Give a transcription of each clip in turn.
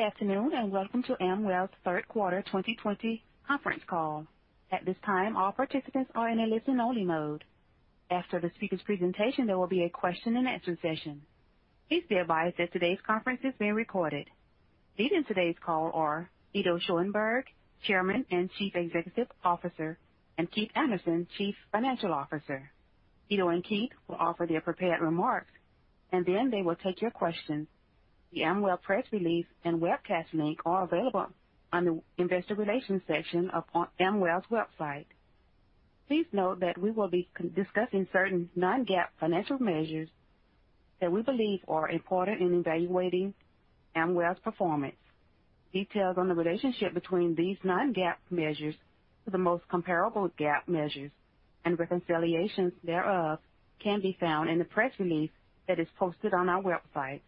Good afternoon, welcome to Amwell's third quarter 2020 conference call. At this time, all participants are in a listen-only mode. After the speakers' presentation, there will be a question-and-answer session. Please be advised that today's conference is being recorded. Leading today's call are Ido Schoenberg, Chairman and Chief Executive Officer, and Keith Anderson, Chief Financial Officer. Ido and Keith will offer their prepared remarks, then they will take your questions. The Amwell press release and webcast link are available on the investor relations section upon Amwell's website. Please note that we will be discussing certain non-GAAP financial measures that we believe are important in evaluating Amwell's performance. Details on the relationship between these non-GAAP measures to the most comparable GAAP measures and reconciliations thereof can be found in the press release that is posted on our website.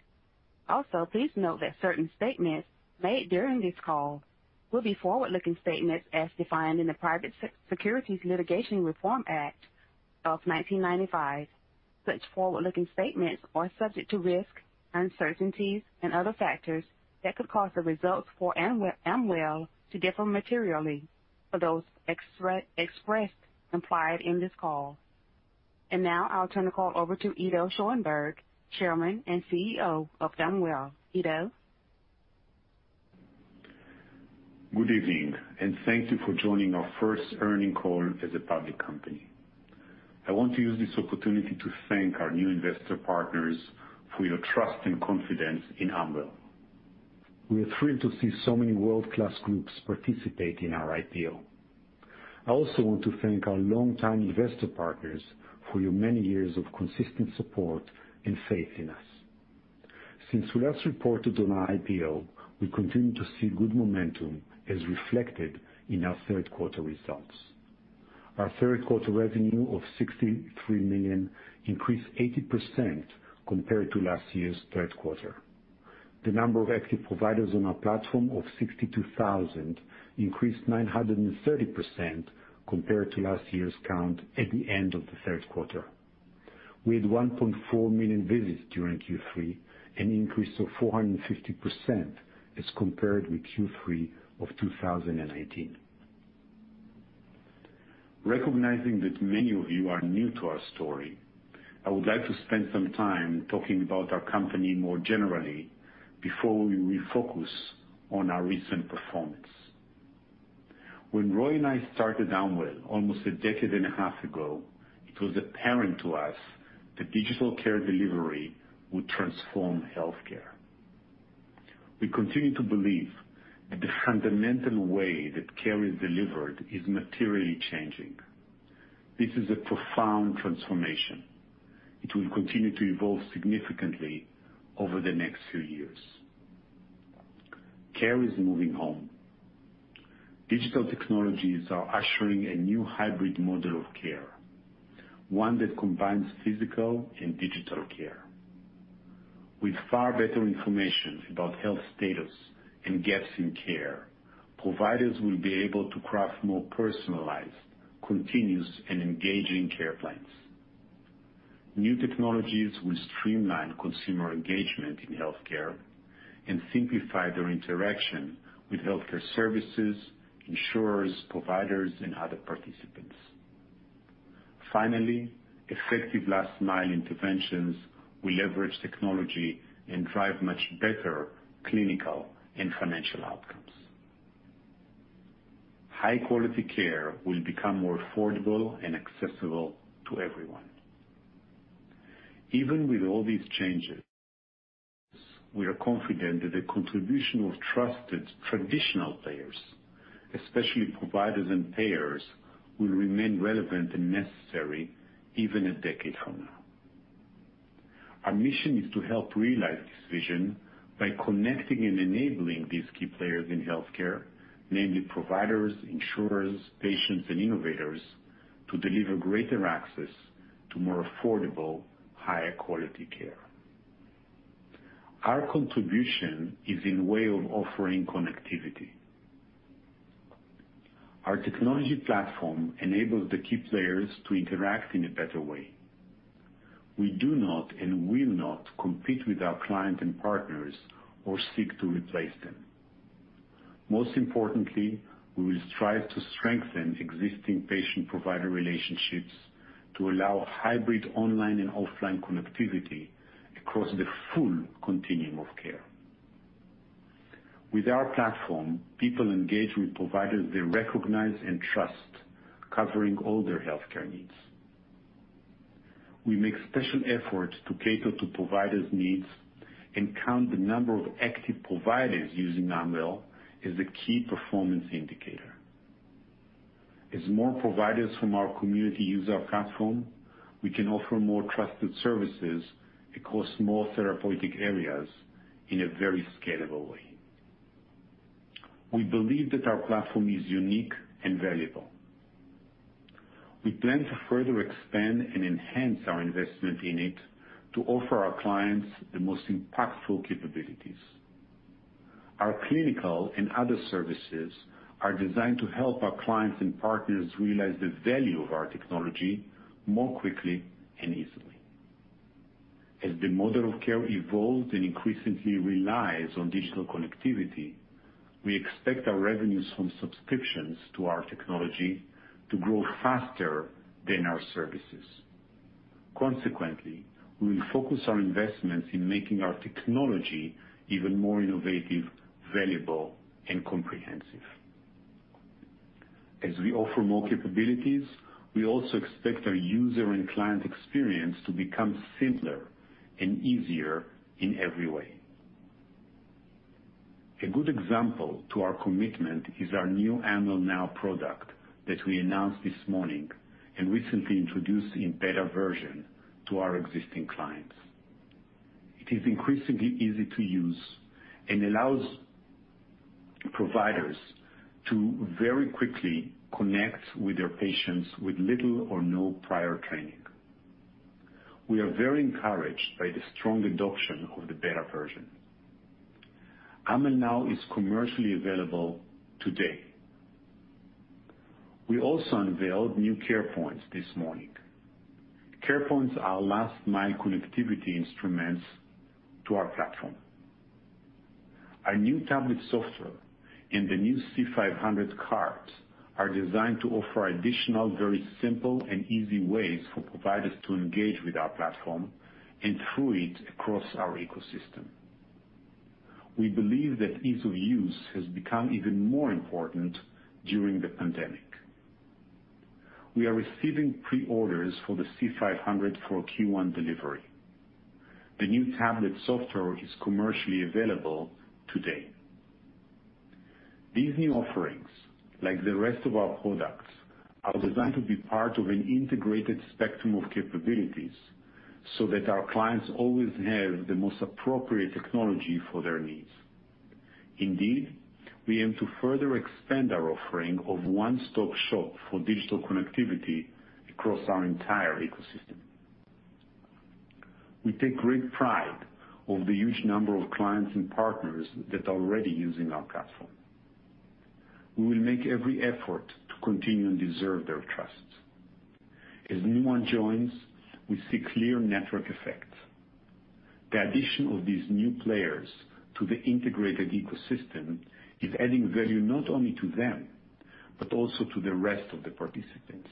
Please note that certain statements made during this call will be forward-looking statements as defined in the Private Securities Litigation Reform Act of 1995. Such forward-looking statements are subject to risks, uncertainties, and other factors that could cause the results for Amwell to differ materially for those expressed, implied in this call. Now I'll turn the call over to Ido Schoenberg, Chairman and CEO of Amwell. Ido? Good evening, and thank you for joining our first earnings call as a public company. I want to use this opportunity to thank our new investor partners for your trust and confidence in Amwell. We are thrilled to see so many world-class groups participate in our IPO. I also want to thank our longtime investor partners for your many years of consistent support and faith in us. Since we last reported on our IPO, we continue to see good momentum as reflected in our third quarter results. Our third quarter revenue of $63 million increased 80% compared to last year's third quarter. The number of active providers on our platform of 62,000 increased 930% compared to last year's count at the end of the third quarter. We had 1.4 million visits during Q3, an increase of 450% as compared with Q3 of 2019. Recognizing that many of you are new to our story, I would like to spend some time talking about our company more generally before we refocus on our recent performance. When Roy and I started Amwell almost a decade and a half ago, it was apparent to us that digital care delivery would transform healthcare. We continue to believe that the fundamental way that care is delivered is materially changing. This is a profound transformation. It will continue to evolve significantly over the next few years. Care is moving home. Digital technologies are ushering a new hybrid model of care, one that combines physical and digital care. With far better information about health status and gaps in care, providers will be able to craft more personalized, continuous, and engaging care plans. New technologies will streamline consumer engagement in healthcare and simplify their interaction with healthcare services, insurers, providers, and other participants. Finally, effective last-mile interventions will leverage technology and drive much better clinical and financial outcomes. High-quality care will become more affordable and accessible to everyone. Even with all these changes, we are confident that the contribution of trusted traditional players, especially providers and payers, will remain relevant and necessary even a decade from now. Our mission is to help realize this vision by connecting and enabling these key players in healthcare, namely providers, insurers, patients, and innovators, to deliver greater access to more affordable, higher quality care. Our contribution is in way of offering connectivity. Our technology platform enables the key players to interact in a better way. We do not and will not compete with our client and partners or seek to replace them. Most importantly, we will strive to strengthen existing patient-provider relationships to allow hybrid online and offline connectivity across the full continuum of care. With our platform, people engage with providers they recognize and trust, covering all their healthcare needs. We make special efforts to cater to providers' needs and count the number of active providers using Amwell as a key performance indicator. As more providers from our community use our platform, we can offer more trusted services across more therapeutic areas in a very scalable way. We believe that our platform is unique and valuable. We plan to further expand and enhance our investment in it to offer our clients the most impactful capabilities. Our clinical and other services are designed to help our clients and partners realize the value of our technology more quickly and easily. As the model of care evolves and increasingly relies on digital connectivity, we expect our revenues from subscriptions to our technology to grow faster than our services. Consequently, we will focus our investments in making our technology even more innovative, valuable, and comprehensive. As we offer more capabilities, we also expect our user and client experience to become simpler and easier in every way. A good example to our commitment is our new Amwell Now product that we announced this morning, and recently introduced in beta version to our existing clients. It is increasingly easy to use and allows providers to very quickly connect with their patients with little or no prior training. We are very encouraged by the strong adoption of the beta version. Amwell Now is commercially available today. We also unveiled new CarePoints this morning. CarePoints are last-mile connectivity instruments to our platform. Our new tablet software and the new C500 carts are designed to offer additional, very simple and easy ways for providers to engage with our platform, and through it, across our ecosystem. We believe that ease of use has become even more important during the pandemic. We are receiving pre-orders for the C500 for Q1 delivery. The new tablet software is commercially available today. These new offerings, like the rest of our products, are designed to be part of an integrated spectrum of capabilities so that our clients always have the most appropriate technology for their needs. Indeed, we aim to further expand our offering of one-stop shop for digital connectivity across our entire ecosystem. We take great pride of the huge number of clients and partners that are already using our platform. We will make every effort to continue and deserve their trust. As new one joins, we see clear network effects. The addition of these new players to the integrated ecosystem is adding value not only to them, but also to the rest of the participants.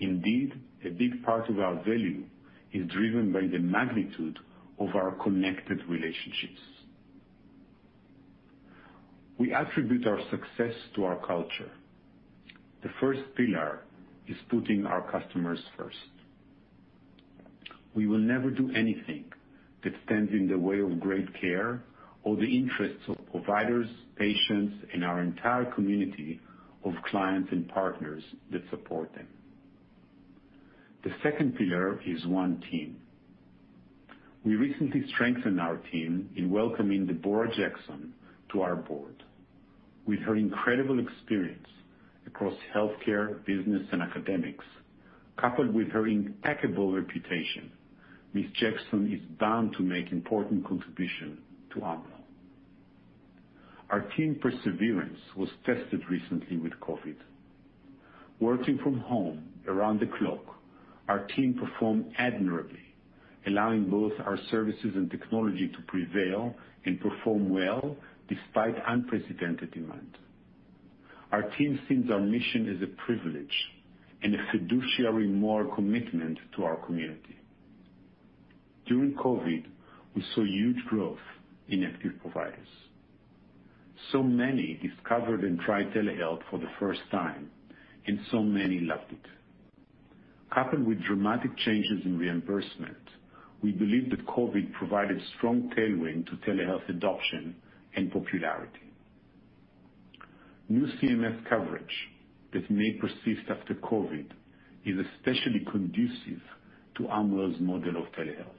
Indeed, a big part of our value is driven by the magnitude of our connected relationships. We attribute our success to our culture. The first pillar is putting our customers first. We will never do anything that stands in the way of great care or the interests of providers, patients, and our entire community of clients and partners that support them. The second pillar is one team. We recently strengthened our team in welcoming Deborah Jackson to our Board. With her incredible experience across healthcare, business, and academics, coupled with her impeccable reputation, Ms. Jackson is bound to make important contribution to Amwell. Our team perseverance was tested recently with COVID. Working from home around the clock, our team performed admirably, allowing both our services and technology to prevail and perform well despite unprecedented demand. Our team sees our mission as a privilege and a fiduciary moral commitment to our community. During COVID, we saw huge growth in active providers. Many discovered and tried telehealth for the first time, and so many loved it. Coupled with dramatic changes in reimbursement, we believe that COVID provided strong tailwind to telehealth adoption and popularity. New CMS coverage that may persist after COVID is especially conducive to Amwell's model of telehealth.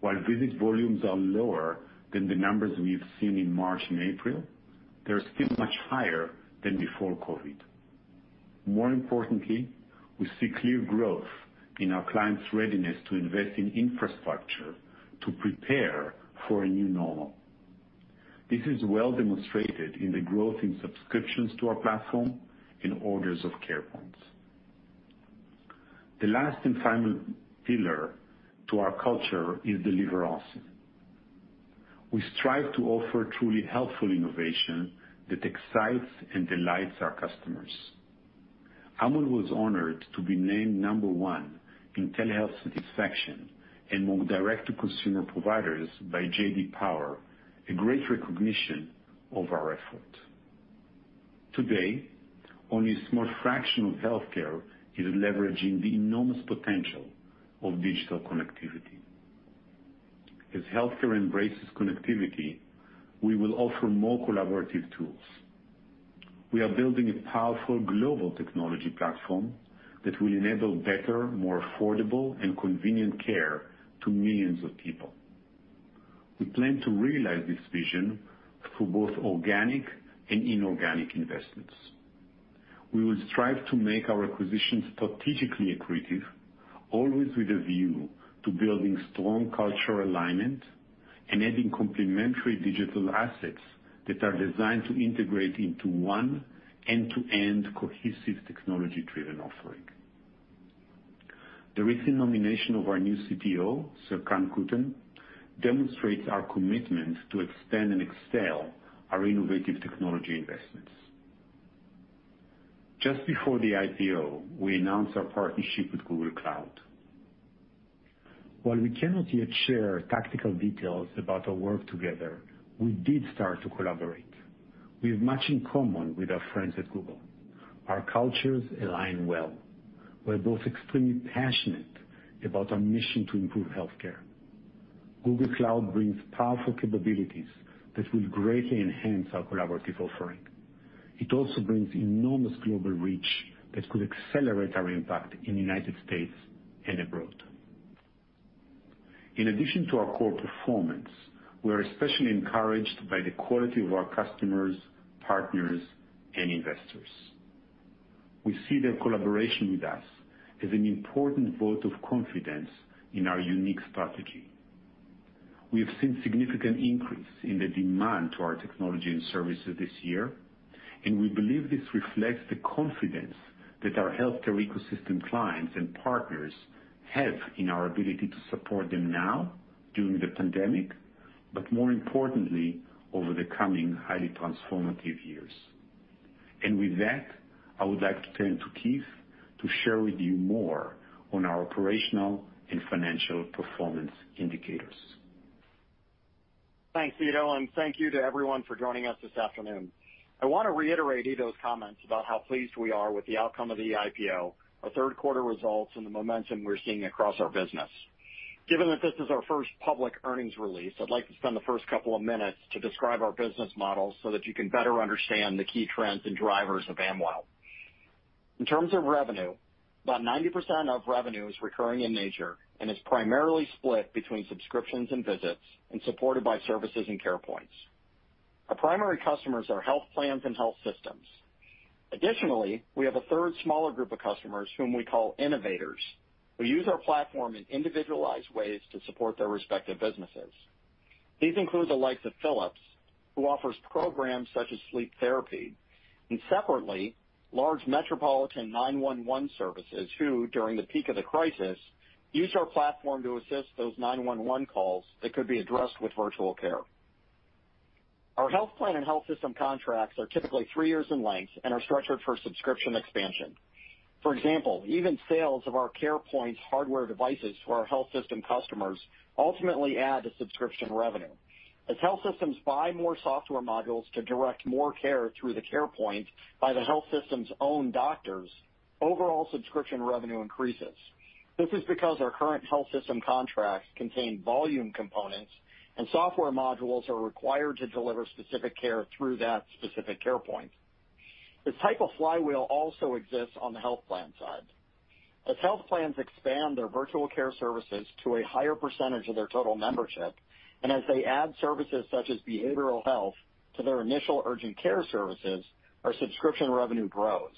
While visit volumes are lower than the numbers we've seen in March and April, they're still much higher than before COVID. More importantly, we see clear growth in our clients' readiness to invest in infrastructure to prepare for a new normal. This is well demonstrated in the growth in subscriptions to our platform and orders of CarePoints. The last and final pillar to our culture is deliver awesome. We strive to offer truly helpful innovation that excites and delights our customers. Amwell was honored to be named number 1 in telehealth satisfaction among direct-to-consumer providers by J.D. Power, a great recognition of our effort. Today, only a small fraction of healthcare is leveraging the enormous potential of digital connectivity. As healthcare embraces connectivity, we will offer more collaborative tools. We are building a powerful global technology platform that will enable better, more affordable, and convenient care to millions of people. We plan to realize this vision through both organic and inorganic investments. We will strive to make our acquisitions strategically accretive, always with a view to building strong cultural alignment and adding complementary digital assets that are designed to integrate into one end-to-end cohesive technology-driven offering. The recent nomination of our new CTO, Serkan Kutan, demonstrates our commitment to extend and excel our innovative technology investments. Just before the IPO, we announced our partnership with Google Cloud. While we cannot yet share tactical details about our work together, we did start to collaborate. We have much in common with our friends at Google. Our cultures align well. We're both extremely passionate about our mission to improve healthcare. Google Cloud brings powerful capabilities that will greatly enhance our collaborative offering. It also brings enormous global reach that could accelerate our impact in the United States and abroad. In addition to our core performance, we are especially encouraged by the quality of our customers, partners, and investors. We see their collaboration with us as an important vote of confidence in our unique strategy. We have seen significant increase in the demand to our technology and services this year, and we believe this reflects the confidence that our healthcare ecosystem clients and partners have in our ability to support them now during the pandemic, but more importantly, over the coming highly transformative years. With that, I would like to turn to Keith to share with you more on our operational and financial performance indicators. Thanks, Ido. Thank you to everyone for joining us this afternoon. I want to reiterate Ido's comments about how pleased we are with the outcome of the IPO, our third quarter results, and the momentum we're seeing across our business. Given that this is our first public earnings release, I'd like to spend the first couple of minutes to describe our business model so that you can better understand the key trends and drivers of Amwell. In terms of revenue, about 90% of revenue is recurring in nature and is primarily split between subscriptions and visits, and supported by services and CarePoints. Our primary customers are health plans and health systems. Additionally, we have a third smaller group of customers whom we call innovators, who use our platform in individualized ways to support their respective businesses. These include the likes of Philips, who offers programs such as sleep therapy. Separately, large metropolitan 911 services, who, during the peak of the crisis, used our platform to assist those 911 calls that could be addressed with virtual care. Our health plan and health system contracts are typically three years in length and are structured for subscription expansion. For example, even sales of our CarePoint hardware devices for our health system customers ultimately add to subscription revenue. As health systems buy more software modules to direct more care through the CarePoint by the health system's own doctors, overall subscription revenue increases. This is because our current health system contracts contain volume components. Software modules are required to deliver specific care through that specific CarePoint. This type of flywheel also exists on the health plan side. As health plans expand their virtual care services to a higher percentage of their total membership, and as they add services such as behavioral health to their initial urgent care services, our subscription revenue grows.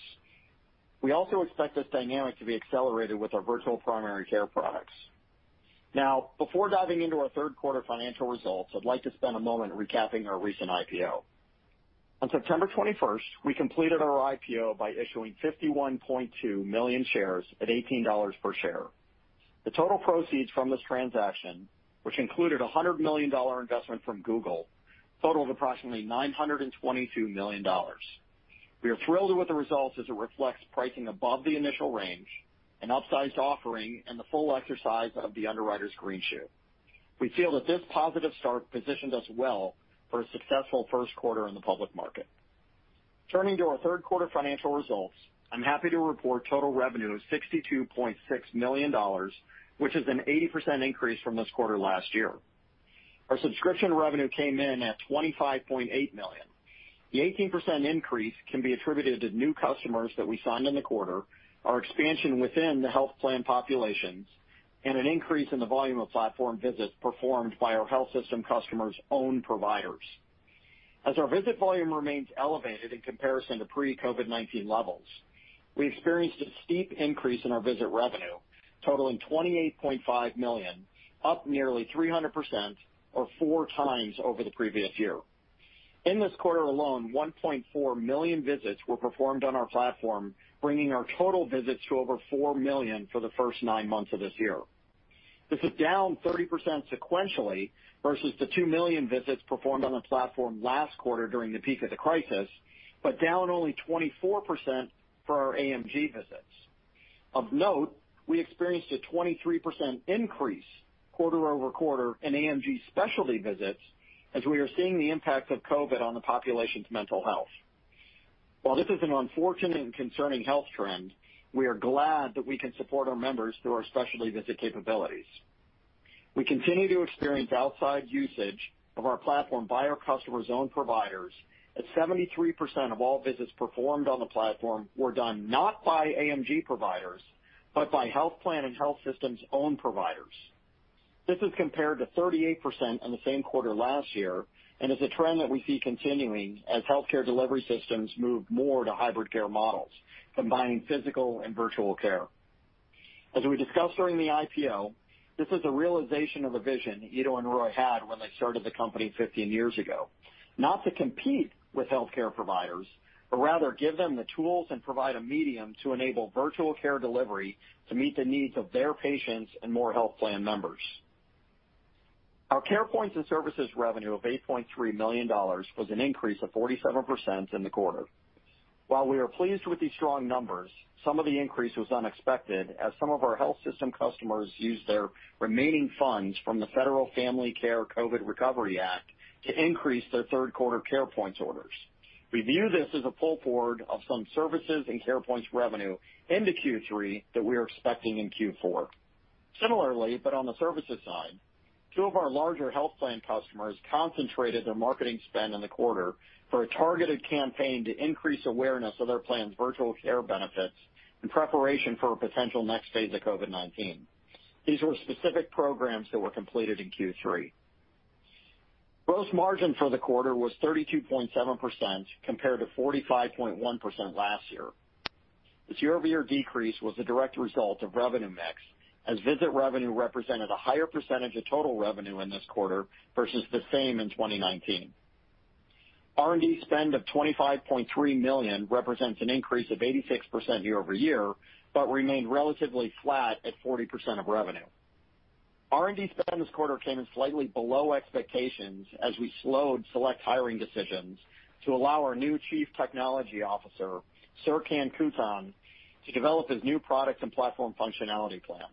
We also expect this dynamic to be accelerated with our virtual primary care products. Now, before diving into our third quarter financial results, I'd like to spend a moment recapping our recent IPO. On September 21st, we completed our IPO by issuing 51.2 million shares at $18 per share. The total proceeds from this transaction, which included a $100 million investment from Google, totaled approximately $922 million. We are thrilled with the results as it reflects pricing above the initial range, an upsized offering, and the full exercise of the underwriter's greenshoe. We feel that this positive start positions us well for a successful first quarter in the public market. Turning to our third quarter financial results, I'm happy to report total revenue of $62.6 million, which is an 80% increase from this quarter last year. Our subscription revenue came in at $25.8 million. The 18% increase can be attributed to new customers that we signed in the quarter, our expansion within the health plan populations, and an increase in the volume of platform visits performed by our health system customers' own providers. As our visit volume remains elevated in comparison to pre-COVID-19 levels, we experienced a steep increase in our visit revenue totaling $28.5 million, up nearly 300% or four times over the previous year. In this quarter alone, 1.4 million visits were performed on our platform, bringing our total visits to over 4 million for the first nine months of this year. This is down 30% sequentially versus the 2 million visits performed on the platform last quarter during the peak of the crisis, but down only 24% for our AMG visits. Of note, we experienced a 23% increase quarter-over-quarter in AMG specialty visits as we are seeing the impact of COVID on the population's mental health. While this is an unfortunate and concerning health trend, we are glad that we can support our members through our specialty visit capabilities. We continue to experience outside usage of our platform by our customers' own providers at 73% of all visits performed on the platform were done not by AMG providers, but by health plan and health systems' own providers. This is compared to 38% in the same quarter last year, is a trend that we see continuing as healthcare delivery systems move more to hybrid care models, combining physical and virtual care. As we discussed during the IPO, this is a realization of a vision Ido and Roy had when they started the company 15 years ago, not to compete with healthcare providers, but rather give them the tools and provide a medium to enable virtual care delivery to meet the needs of their patients and more health plan members. Our Care Points and Services revenue of $8.3 million was an increase of 47% in the quarter. While we are pleased with these strong numbers, some of the increase was unexpected as some of our health system customers used their remaining funds from the federal Family Care COVID Recovery Act to increase their third quarter CarePoints orders. We view this as a pull forward of some services and CarePoint revenue into Q3 that we are expecting in Q4. Similarly, but on the services side, two of our larger health plan customers concentrated their marketing spend in the quarter for a targeted campaign to increase awareness of their plan's virtual care benefits in preparation for a potential next phase of COVID-19. These were specific programs that were completed in Q3. Gross margin for the quarter was 32.7%, compared to 45.1% last year. This year-over-year decrease was the direct result of revenue mix, as visit revenue represented a higher percentage of total revenue in this quarter versus the same in 2019. R&D spend of $25.3 million represents an increase of 86% year-over-year, but remained relatively flat at 40% of revenue. R&D spend this quarter came in slightly below expectations as we slowed select hiring decisions to allow our new chief technology officer, Serkan Kutan, to develop his new products and platform functionality plan.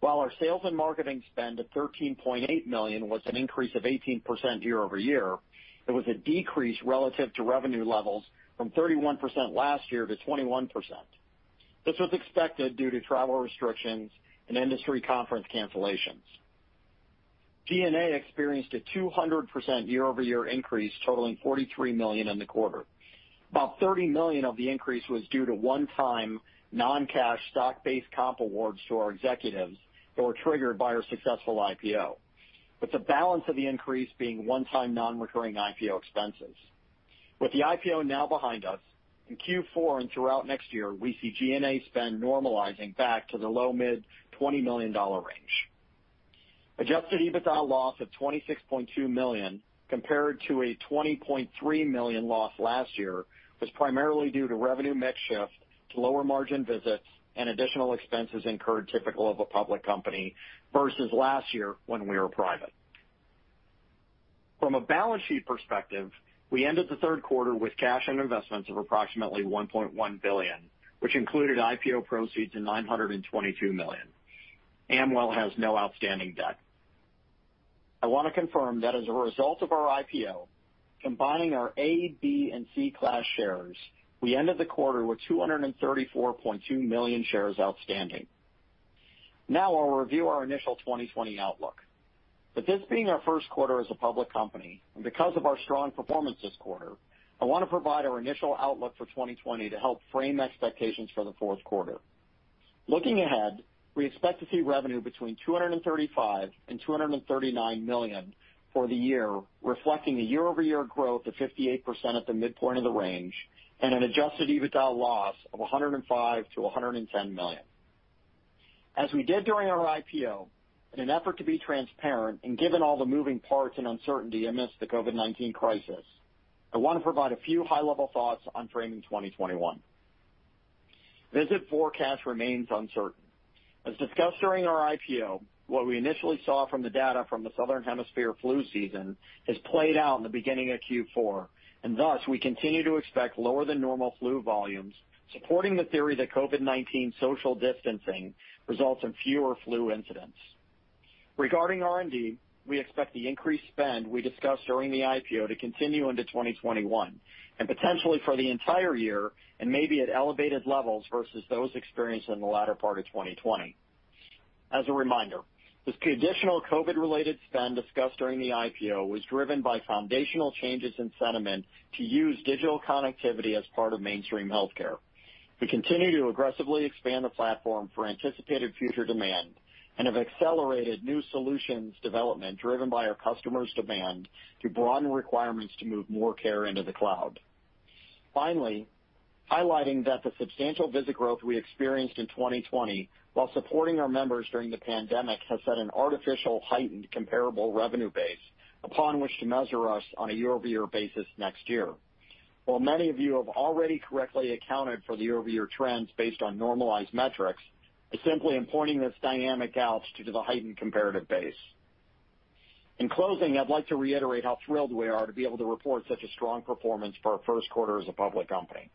While our sales and marketing spend of $13.8 million was an increase of 18% year-over-year, it was a decrease relative to revenue levels from 31% last year to 21%. This was expected due to travel restrictions and industry conference cancellations. G&A experienced a 200% year-over-year increase totaling $43 million in the quarter. About $30 million of the increase was due to one-time non-cash stock-based comp awards to our executives that were triggered by our successful IPO, with the balance of the increase being one-time non-recurring IPO expenses. With the IPO now behind us, in Q4 and throughout next year, we see G&A spend normalizing back to the low-mid $20 million range. Adjusted EBITDA loss of $26.2 million compared to a $20.3 million loss last year was primarily due to revenue mix shift to lower margin visits and additional expenses incurred typical of a public company versus last year when we were private. From a balance sheet perspective, we ended the third quarter with cash and investments of approximately $1.1 billion, which included IPO proceeds of $922 million. Amwell has no outstanding debt. I want to confirm that as a result of our IPO, combining our A, B, and C class shares, we ended the quarter with 234.2 million shares outstanding. I'll review our initial 2020 outlook. With this being our first quarter as a public company, and because of our strong performance this quarter, I want to provide our initial outlook for 2020 to help frame expectations for the fourth quarter. Looking ahead, we expect to see revenue between $235 million and $239 million for the year, reflecting a year-over-year growth of 58% at the midpoint of the range, and an adjusted EBITDA loss of $105 to 110 million. As we did during our IPO, in an effort to be transparent and given all the moving parts and uncertainty amidst the COVID-19 crisis, I want to provide a few high-level thoughts on framing 2021. Visit forecast remains uncertain. As discussed during our IPO, what we initially saw from the data from the Southern Hemisphere flu season has played out in the beginning of Q4. Thus, we continue to expect lower than normal flu volumes, supporting the theory that COVID-19 social distancing results in fewer flu incidents. Regarding R&D, we expect the increased spend we discussed during the IPO to continue into 2021, and potentially for the entire year, and maybe at elevated levels versus those experienced in the latter part of 2020. As a reminder, this additional COVID-related spend discussed during the IPO was driven by foundational changes in sentiment to use digital connectivity as part of mainstream healthcare. We continue to aggressively expand the platform for anticipated future demand and have accelerated new solutions development driven by our customers' demand to broaden requirements to move more care into the cloud. Finally, highlighting that the substantial visit growth we experienced in 2020 while supporting our members during the pandemic has set an artificial, heightened comparable revenue base upon which to measure us on a year-over-year basis next year. While many of you have already correctly accounted for the year-over-year trends based on normalized metrics, I simply am pointing this dynamic out due to the heightened comparative base. In closing, I'd like to reiterate how thrilled we are to be able to report such a strong performance for our first quarter as a public company.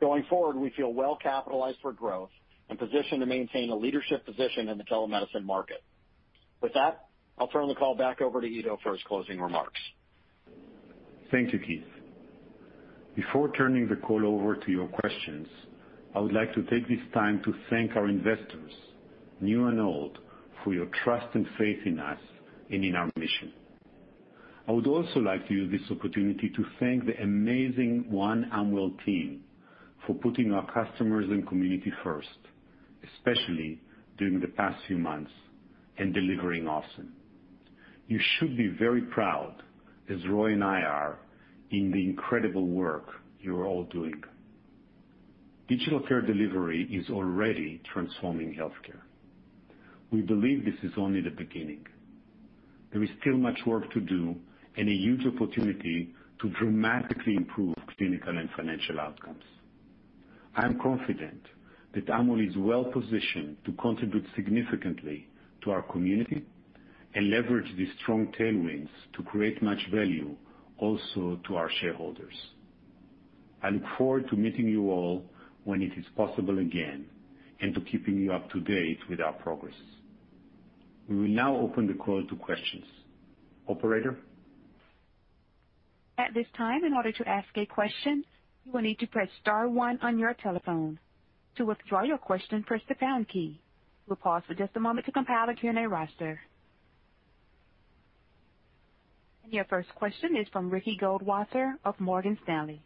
Going forward, we feel well-capitalized for growth and positioned to maintain a leadership position in the telemedicine market. With that, I'll turn the call back over to Ido for his closing remarks. Thank you, Keith. Before turning the call over to your questions, I would like to take this time to thank our investors, new and old, for your trust and faith in us and in our mission. I would also like to use this opportunity to thank the amazing one Amwell team for putting our customers and community first, especially during the past few months, in delivering awesome. You should be very proud, as Roy and I are, in the incredible work you're all doing. Digital care delivery is already transforming healthcare. We believe this is only the beginning. There is still much work to do and a huge opportunity to dramatically improve clinical and financial outcomes. I am confident that Amwell is well-positioned to contribute significantly to our community and leverage these strong tailwinds to create much value also to our shareholders. I look forward to meeting you all when it is possible again, and to keeping you up to date with our progress. We will now open the call to questions. Operator? At this time in order to ask a question you will need to press star one on your telephone. To withdraw your question please press the pound key. We'll pause for just a moment to compile a Q&A roster. Your first question is from Ricky Goldwasser of Morgan Stanley.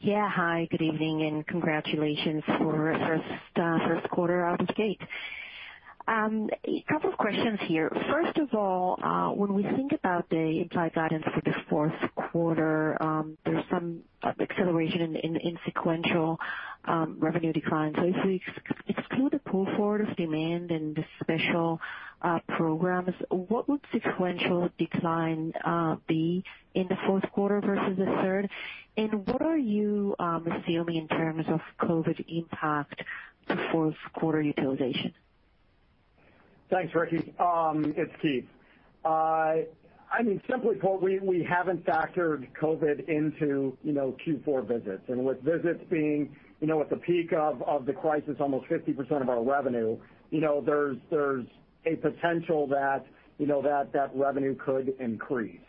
Yeah. Hi, good evening, and congratulations for first quarter out of the gate. A couple of questions here. First of all, when we think about the implied guidance for the fourth quarter, there's some acceleration in sequential revenue decline. If we exclude the pull forward of demand and the special programs, what would sequential decline be in the fourth quarter versus the third? What are you assuming in terms of COVID impact to fourth quarter utilization? Thanks, Ricky. It's Keith. Simply put, we haven't factored COVID into Q4 visits. With visits being at the peak of the crisis, almost 50% of our revenue, there's a potential that revenue could increase.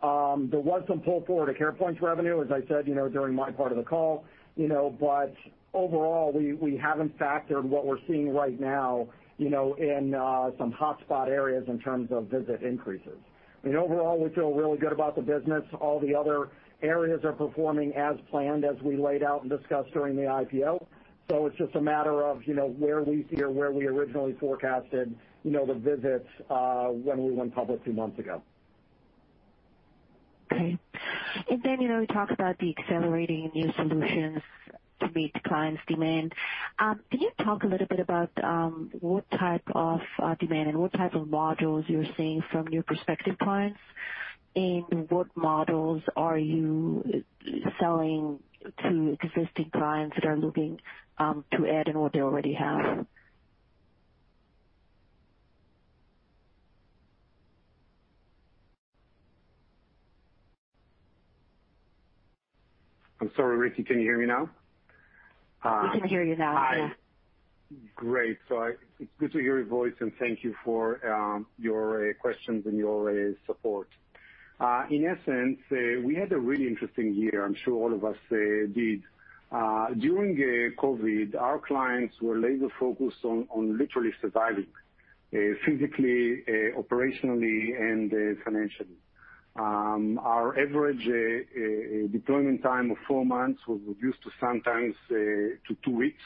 There was some pull forward of CarePoint revenue, as I said, during my part of the call. Overall, we haven't factored what we're seeing right now in some hotspot areas in terms of visit increases. Overall, we feel really good about the business. All the other areas are performing as planned as we laid out and discussed during the IPO. It's just a matter of where we see or where we originally forecasted the visits when we went public two months ago. Okay. You talked about the accelerating new solutions to meet clients' demand. Can you talk a little bit about what type of demand and what type of modules you're seeing from your prospective clients? What models are you selling to existing clients that are looking to add on what they already have? I'm sorry, Ricky, can you hear me now? We can hear you now. Yeah. Great. It's good to hear your voice, and thank you for your questions and your support. In essence, we had a really interesting year. I'm sure all of us did. During COVID, our clients were laser-focused on literally surviving, physically, operationally, and financially. Our average deployment time of four months was reduced to sometimes to two weeks,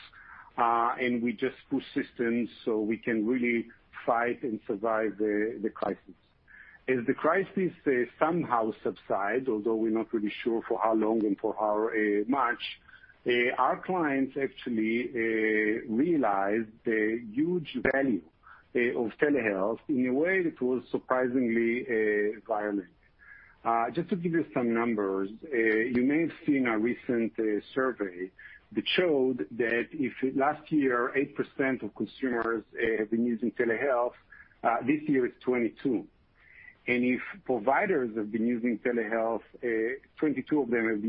and we just pushed systems so we can really fight and survive the crisis. As the crisis somehow subsides, although we're not really sure for how long and for how much, our clients actually realized the huge value of telehealth in a way that was surprisingly violent. Just to give you some numbers, you may have seen a recent survey that showed that if last year 8% of consumers have been using telehealth, this year it's 22. If providers have been using telehealth, 22% of them have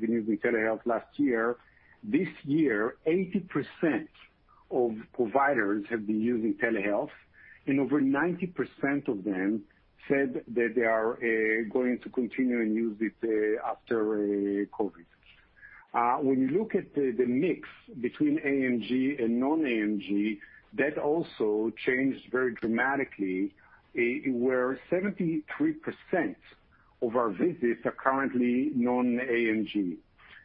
been using telehealth last year, this year, 80% of providers have been using telehealth, and over 90% of them said that they are going to continue and use it after COVID. When you look at the mix between AMG and non-AMG, that also changed very dramatically, where 73% of our visits are currently non-AMG.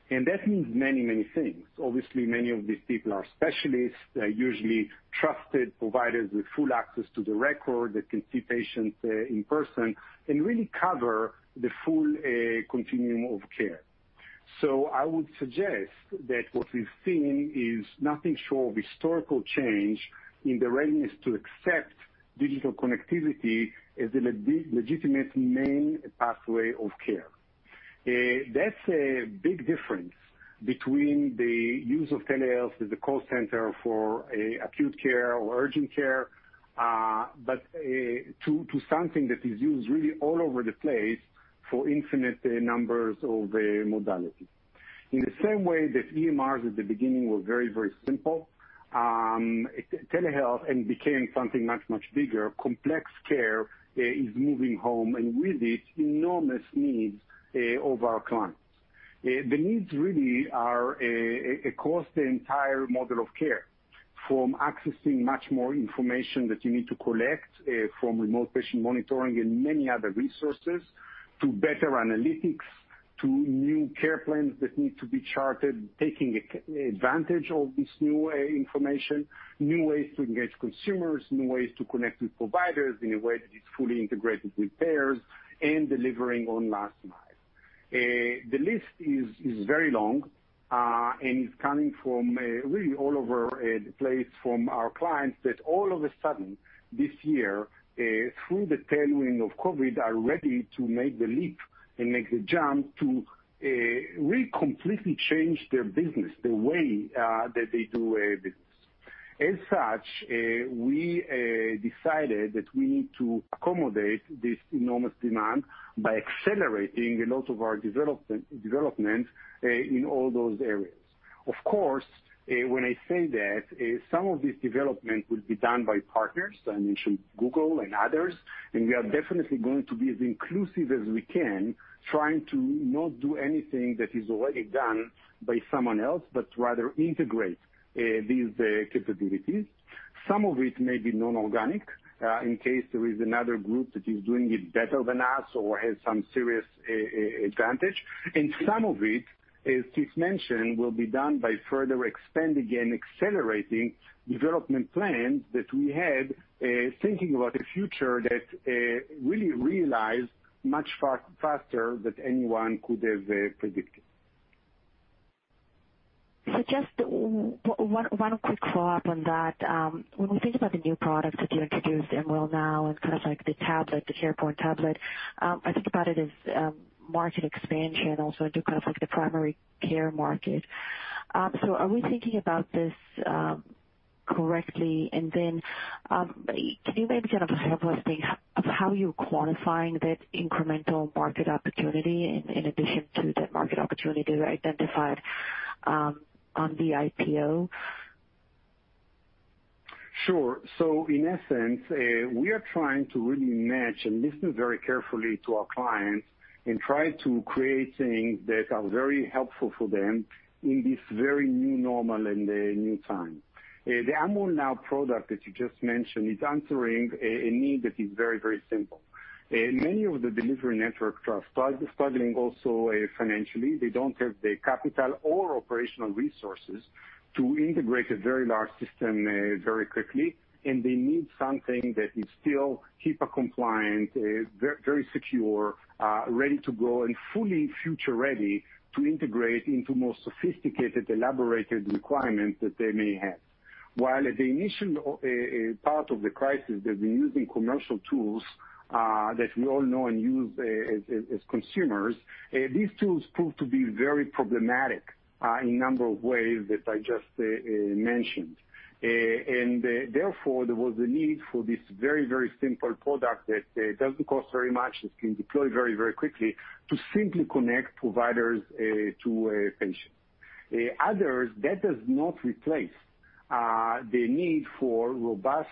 That means many things. Obviously, many of these people are specialists. They're usually trusted providers with full access to the record that can see patients in person and really cover the full continuum of care. I would suggest that what we're seeing is nothing short of historical change in the readiness to accept digital connectivity as a legitimate main pathway of care. That's a big difference between the use of telehealth as a call center for acute care or urgent care, but to something that is used really all over the place for infinite numbers of modalities. In the same way that EMRs at the beginning were very simple, telehealth became something much bigger. Complex care is moving home and with it enormous needs of our clients. The needs really are across the entire model of care, from accessing much more information that you need to collect from remote patient monitoring and many other resources, to better analytics, to new care plans that need to be charted, taking advantage of this new information, new ways to engage consumers, new ways to connect with providers in a way that is fully integrated with payers, and delivering on last mile. The list is very long, and it's coming from really all over the place from our clients that all of a sudden, this year, through the tailwind of COVID, are ready to make the leap and make the jump to really completely change their business, the way that they do business. As such, we decided that we need to accommodate this enormous demand by accelerating a lot of our development in all those areas. Of course, when I say that, some of this development will be done by partners, I mention Google and others, and we are definitely going to be as inclusive as we can, trying to not do anything that is already done by someone else, but rather integrate these capabilities. Some of it may be non-organic, in case there is another group that is doing it better than us or has some serious advantage. Some of it, as Keith mentioned, will be done by further expanding and accelerating development plans that we had, thinking about a future that really realized much faster than anyone could have predicted. Just one quick follow-up on that. When we think about the new products that you introduced, Amwell Now and the tablet, the CarePoint tablet, I think about it as market expansion also into the primary care market. Are we thinking about this correctly? Can you maybe kind of help us think of how you're quantifying that incremental market opportunity in addition to the market opportunity that you identified on the IPO? Sure. In essence, we are trying to really match and listen very carefully to our clients and try to create things that are very helpful for them in this very new normal and new time. The Amwell Now product that you just mentioned is answering a need that is very simple. Many of the delivery networks are struggling also financially. They don't have the capital or operational resources to integrate a very large system very quickly, and they need something that is still HIPAA compliant, very secure, ready to go, and fully future ready to integrate into more sophisticated, elaborated requirements that they may have. While at the initial part of the crisis, they've been using commercial tools that we all know and use as consumers. These tools proved to be very problematic in a number of ways that I just mentioned. Therefore, there was a need for this very simple product that doesn't cost very much, that can deploy very quickly, to simply connect providers to patients. Others, that does not replace the need for robust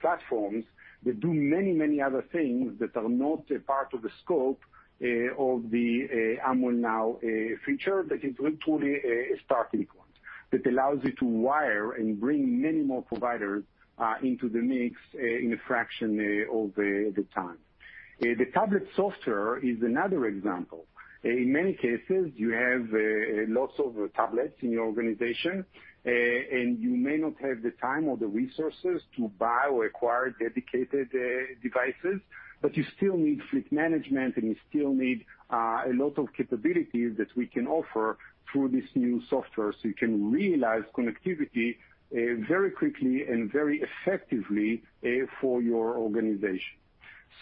platforms that do many other things that are not a part of the scope of the Amwell Now feature, but it's really truly a starting point that allows you to wire and bring many more providers into the mix in a fraction of the time. The tablet software is another example. In many cases, you have lots of tablets in your organization, and you may not have the time or the resources to buy or acquire dedicated devices, but you still need fleet management, and you still need a lot of capabilities that we can offer through this new software, so you can realize connectivity very quickly and very effectively for your organization.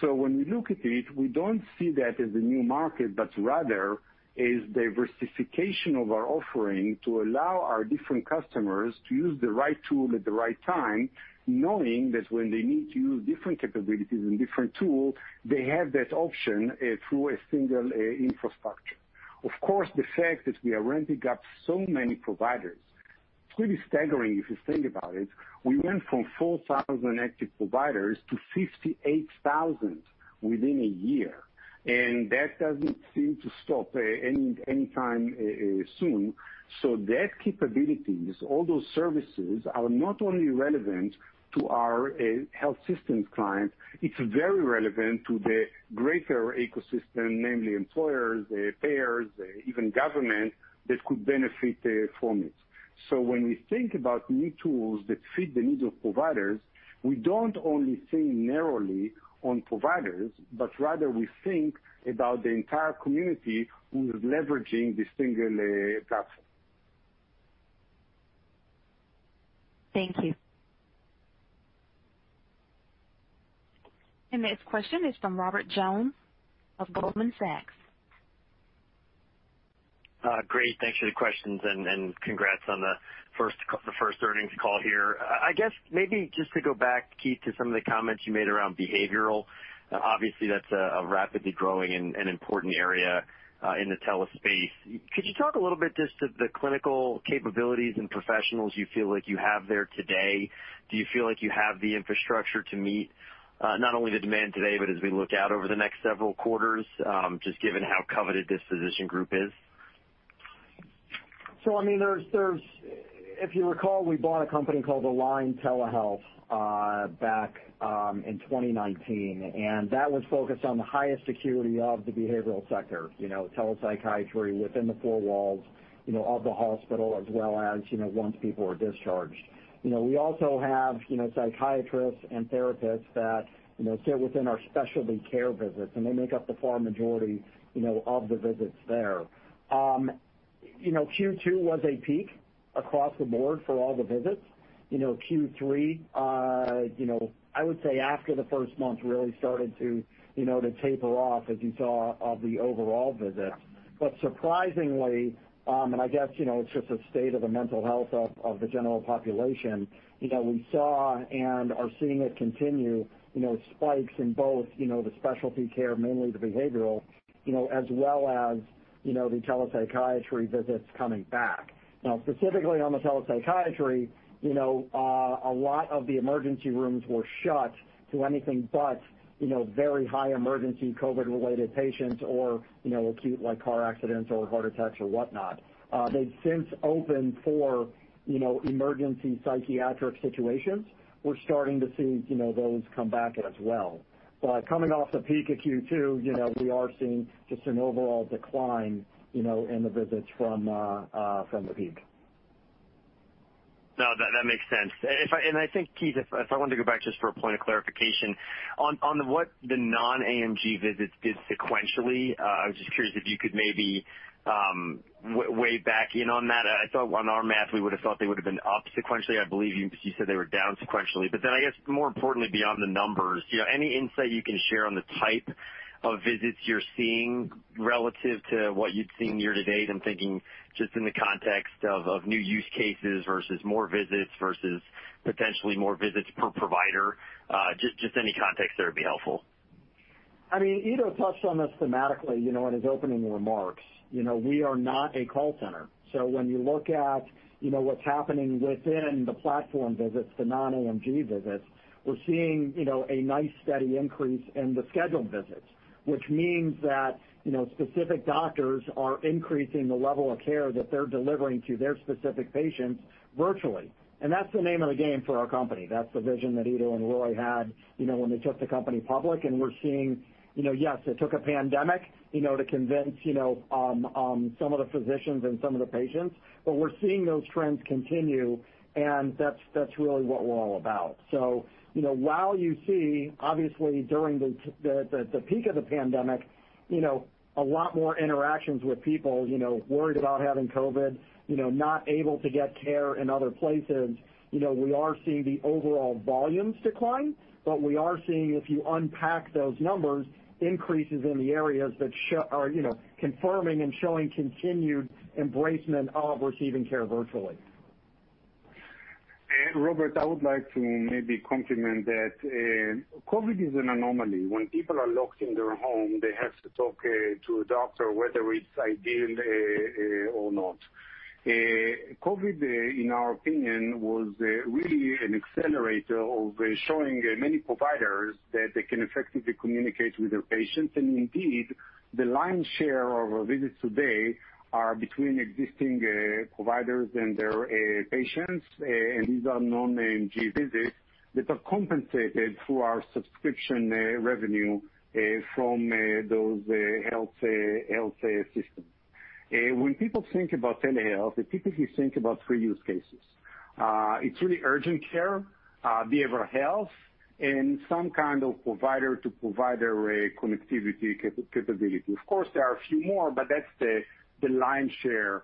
When we look at it, we don't see that as a new market, but rather as diversification of our offering to allow our different customers to use the right tool at the right time, knowing that when they need to use different capabilities and different tools, they have that option through a single infrastructure. Of course, the fact that we are ramping up so many providers, it's really staggering if you think about it. We went from 4,000 active providers to 58,000 within a year, and that doesn't seem to stop anytime soon. That capability, all those services, are not only relevant to our health systems clients, it's very relevant to the greater ecosystem, namely employers, payers, even government, that could benefit from it. When we think about new tools that fit the needs of providers, we don't only think narrowly on providers, but rather we think about the entire community who is leveraging the single platform. Thank you. The next question is from Robert Jones of Goldman Sachs. Great. Thanks for the questions and congrats on the first earnings call here. I guess maybe just to go back, Keith, to some of the comments you made around behavioral. Obviously, that's a rapidly growing and important area in the tele space. Could you talk a little bit just to the clinical capabilities and professionals you feel like you have there today? Do you feel like you have the infrastructure to meet not only the demand today, but as we look out over the next several quarters, just given how coveted this physician group is? If you recall, we bought a company called Aligned Telehealth back in 2019, and that was focused on the highest security of the behavioral sector. telepsychiatry within the four walls of the hospital as well as once people are discharged. We also have psychiatrists and therapists that sit within our specialty care visits, and they make up the far majority of the visits there. Q2 was a peak across the board for all the visits. Q3, I would say after the first month really started to taper off as you saw of the overall visits. Surprisingly, and I guess it's just a state of the mental health of the general population, we saw and are seeing it continue, spikes in both the specialty care, mainly the behavioral, as well as the telepsychiatry visits coming back. Now, specifically on the telepsychiatry, a lot of the emergency rooms were shut to anything but very high emergency COVID-related patients or acute like car accidents or heart attacks or whatnot. They've since opened for emergency psychiatric situations. We're starting to see those come back as well. Coming off the peak of Q2, we are seeing just an overall decline in the visits from the peak. No, that makes sense. I think, Keith, I wanted to go back just for a point of clarification on what the non-AMG visits did sequentially. I was just curious if you could maybe weigh back in on that. I thought on our math, we would've thought they would've been up sequentially. I believe you said they were down sequentially. I guess, more importantly, beyond the numbers, any insight you can share on the type of visits you're seeing relative to what you'd seen year-to-date? I'm thinking just in the context of new use cases versus more visits, versus potentially more visits per provider. Just any context there would be helpful. Ido touched on this thematically in his opening remarks. We are not a call center, so when you look at what's happening within the platform visits, the non-AMG visits, we're seeing a nice steady increase in the scheduled visits, which means that specific doctors are increasing the level of care that they're delivering to their specific patients virtually, and that's the name of the game for our company. That's the vision that Ido and Roy had when they took the company public and we're seeing, yes, it took a pandemic to convince some of the physicians and some of the patients, but we're seeing those trends continue, and that's really what we're all about. While you see, obviously, during the peak of the pandemic, a lot more interactions with people worried about having COVID, not able to get care in other places. We are seeing the overall volumes decline, but we are seeing if you unpack those numbers, increases in the areas that are confirming and showing continued embracement of receiving care virtually. Robert, I would like to maybe complement that. COVID is an anomaly. When people are locked in their home, they have to talk to a doctor, whether it's ideal or not. COVID, in our opinion, was really an accelerator of showing many providers that they can effectively communicate with their patients, and indeed, the lion's share of our visits today are between existing providers and their patients, and these are non-AMG visits that are compensated through our subscription revenue from those health systems. When people think about telehealth, they typically think about three use cases. It's really urgent care, behavioral health, and some kind of provider-to-provider connectivity capability. Of course, there are a few more, that's the lion's share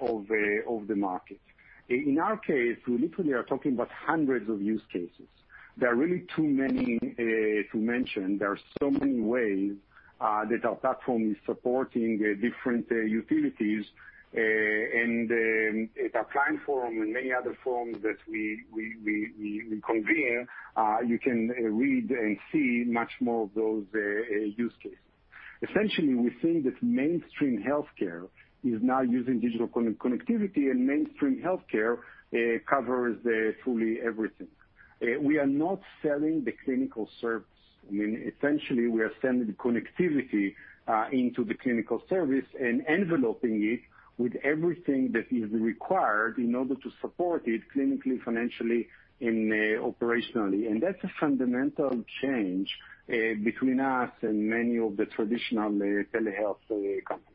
of the market. In our case, we literally are talking about hundreds of use cases. There are really too many to mention. There are so many ways that our platform is supporting different utilities, and at our client forum and many other forums that we convene, you can read and see much more of those use cases. Essentially, we're seeing that mainstream healthcare is now using digital connectivity, and mainstream healthcare covers fully everything. We are not selling the clinical service. Essentially, we are sending the connectivity into the clinical service and enveloping it with everything that is required in order to support it clinically, financially, and operationally. That's a fundamental change between us and many of the traditional telehealth companies.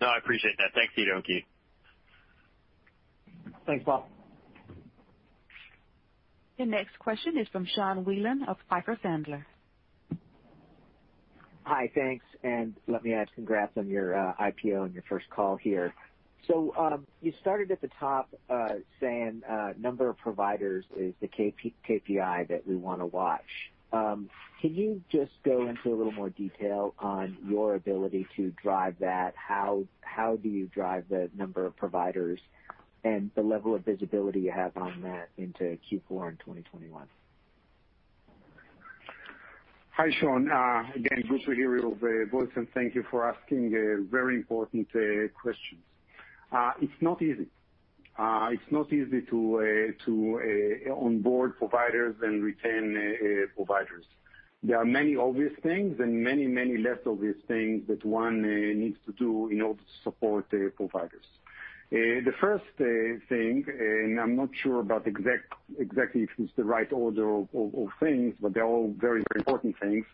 No, I appreciate that. Thanks, Ido and Keith. Thanks, Rob. Your next question is from Sean Wieland of Piper Sandler. Hi. Thanks, let me add congrats on your IPO and your first call here. You started at the top saying number of providers is the KPI that we want to watch. Can you just go into a little more detail on your ability to drive that? How do you drive the number of providers and the level of visibility you have on that into Q4 in 2021? Hi, Sean. Again, good to hear your voice, and thank you for asking a very important question. It's not easy. It's not easy to onboard providers and retain providers. There are many obvious things and many less obvious things that one needs to do in order to support providers. The first thing, and I'm not sure about exactly if it's the right order of things, but they're all very important things,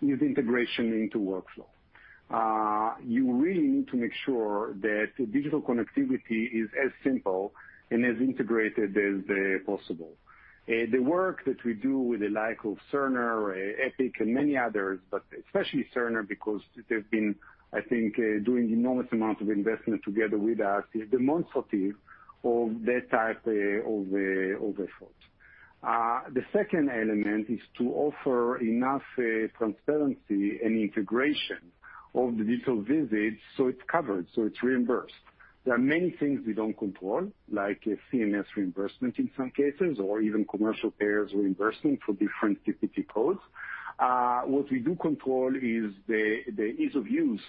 is integration into workflow. You really need to make sure that digital connectivity is as simple and as integrated as possible. The work that we do with the like of Cerner, Epic, and many others, but especially Cerner, because they've been, I think, doing enormous amounts of investment together with us, is demonstrative of that type of effort. The second element is to offer enough transparency and integration of the digital visit so it's covered, so it's reimbursed. There are many things we don't control, like a CMS reimbursement in some cases, or even commercial payers reimbursing for different CPT codes. What we do control is the ease of use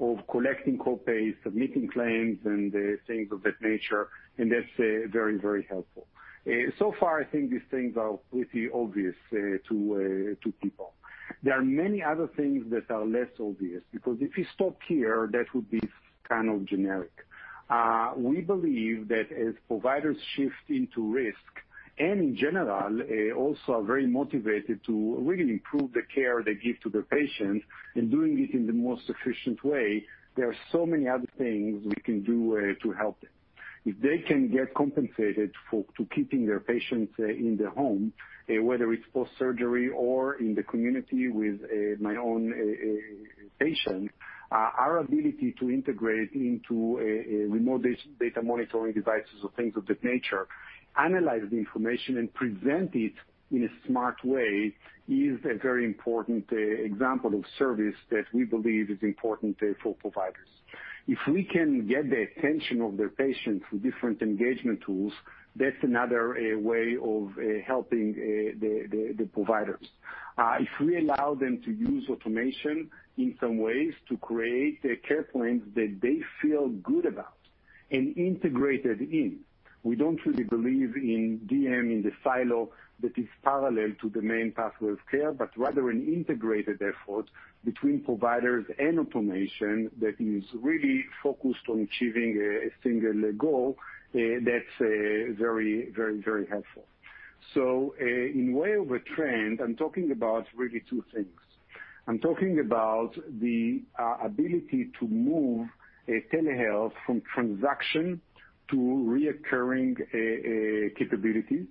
of collecting co-pays, submitting claims, and things of that nature, and that's very helpful. So far, I think these things are pretty obvious to people. There are many other things that are less obvious, because if we stop here, that would be kind of generic. We believe that as providers shift into risk, and in general, also are very motivated to really improve the care they give to their patients and doing it in the most efficient way, there are so many other things we can do to help them. If they can get compensated to keeping their patients in their home, whether it's post-surgery or in the community with my own patients, our ability to integrate into remote data monitoring devices or things of that nature, analyze the information, and present it in a smart way is a very important example of service that we believe is important for providers. If we can get the attention of their patients with different engagement tools, that's another way of helping the providers. If we allow them to use automation in some ways to create care plans that they feel good about and integrated in. We don't really believe in DM in the silo that is parallel to the main pathway of care, but rather an integrated effort between providers and automation that is really focused on achieving a singular goal, that's very helpful. In way of a trend, I am talking about really two things. I am talking about the ability to move telehealth from transaction to recurring capabilities.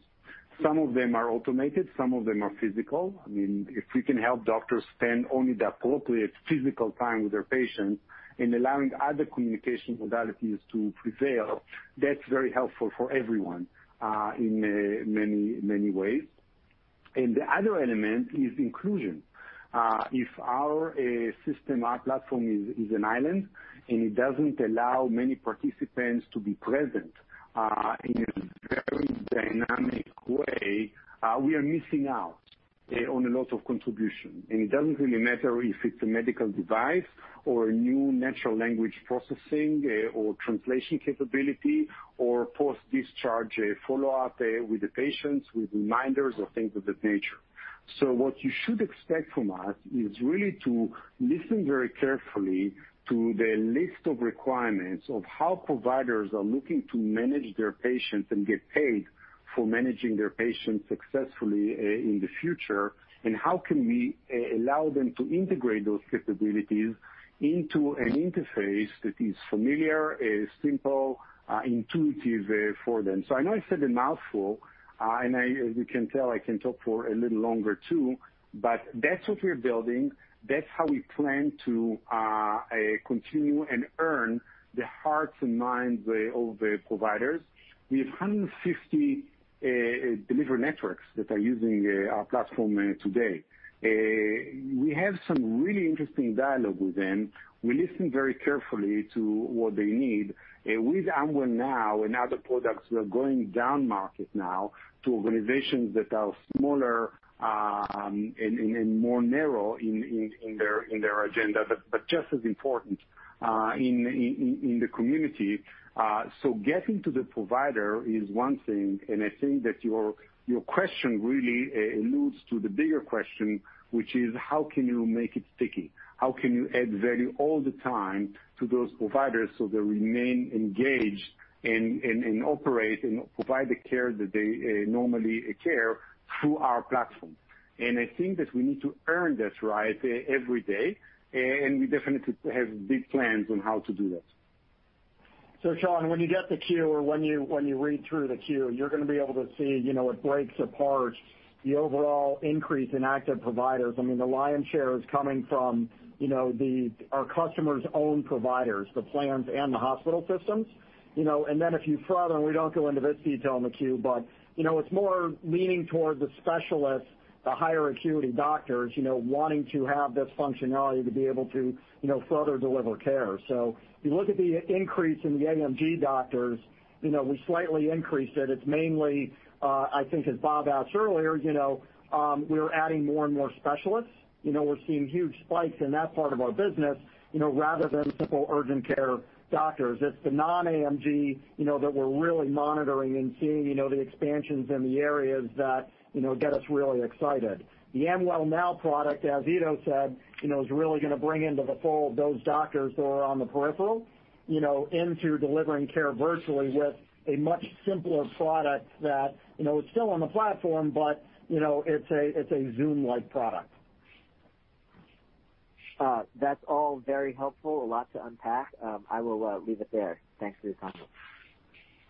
Some of them are automated, some of them are physical. If we can help doctors spend only the appropriate physical time with their patients and allowing other communication modalities to prevail, that's very helpful for everyone in many ways. The other element is inclusion. If our system, our platform is an island and it doesn't allow many participants to be present in a very dynamic way, we are missing out on a lot of contribution. It doesn't really matter if it's a medical device or a new natural language processing or translation capability or post-discharge follow-up with the patients with reminders or things of that nature. What you should expect from us is really to listen very carefully to the list of requirements of how providers are looking to manage their patients and get paid for managing their patients successfully in the future, and how can we allow them to integrate those capabilities into an interface that is familiar, is simple, intuitive for them. I know I said a mouthful, and as you can tell, I can talk for a little longer too, but that's what we're building. That's how we plan to continue and earn the hearts and minds of providers. We have 150 delivery networks that are using our platform today. We have some really interesting dialogue with them. We listen very carefully to what they need. With Amwell Now and other products, we are going down market now to organizations that are smaller and more narrow in their agenda, but just as important in the community. Getting to the provider is one thing, and I think that your question really alludes to the bigger question, which is how can you make it sticky? How can you add value all the time to those providers so they remain engaged and operate and provide the care that they normally care through our platform? I think that we need to earn that right every day, and we definitely have big plans on how to do that. Sean, when you get the Q or when you read through the Q, you're going to be able to see, it breaks apart the overall increase in active providers. The lion's share is coming from our customers' own providers, the plans and the hospital systems. If you further, and we don't go into this detail in the Q, but it's more leaning towards the specialists, the higher acuity doctors wanting to have this functionality to be able to further deliver care. If you look at the increase in the AMG doctors, we slightly increased it. It's mainly, I think as Bob asked earlier, we're adding more and more specialists. We're seeing huge spikes in that part of our business, rather than simple urgent care doctors. It's the non-AMG that we're really monitoring and seeing the expansions in the areas that get us really excited. The Amwell Now product, as Ido said, is really going to bring into the fold those doctors who are on the peripheral, into delivering care virtually with a much simpler product that is still on the platform, but it's a Zoom-like product. That's all very helpful. A lot to unpack. I will leave it there. Thanks for your time.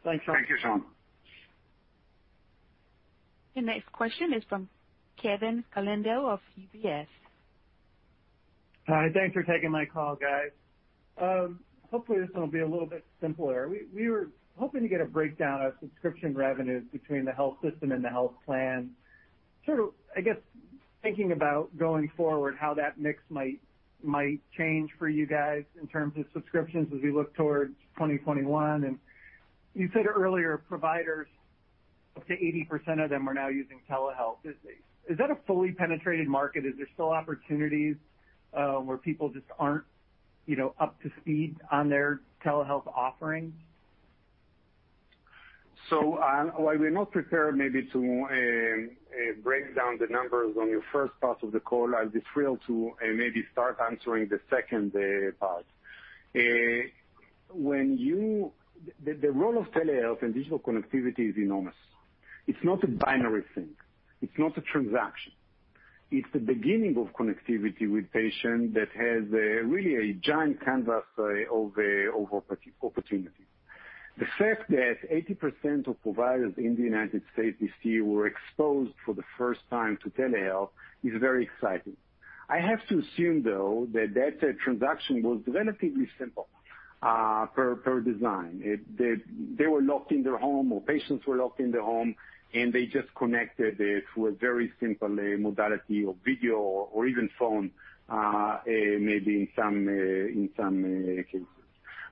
Thanks, Sean. Thank you, Sean. The next question is from Kevin Caliendo of UBS. Hi. Thanks for taking my call, guys. Hopefully, this one will be a little bit simpler. We were hoping to get a breakdown of subscription revenues between the health system and the health plan, I guess, thinking about going forward, how that mix might change for you guys in terms of subscriptions as we look towards 2021, and you said earlier, providers, up to 80% of them are now using telehealth. Is that a fully penetrated market? Is there still opportunities where people just aren't up to speed on their telehealth offerings? While we're not prepared maybe to break down the numbers on your first part of the call, I'll be thrilled to maybe start answering the second part. The role of telehealth and digital connectivity is enormous. It's not a binary thing. It's not a transaction. It's the beginning of connectivity with patients that has, really, a giant canvas of opportunity. The fact that 80% of providers in the United States this year were exposed for the first time to telehealth is very exciting. I have to assume, though, that that transaction was relatively simple per design. They were locked in their home, or patients were locked in their home, and they just connected through a very simple modality of video or even phone, maybe in some cases.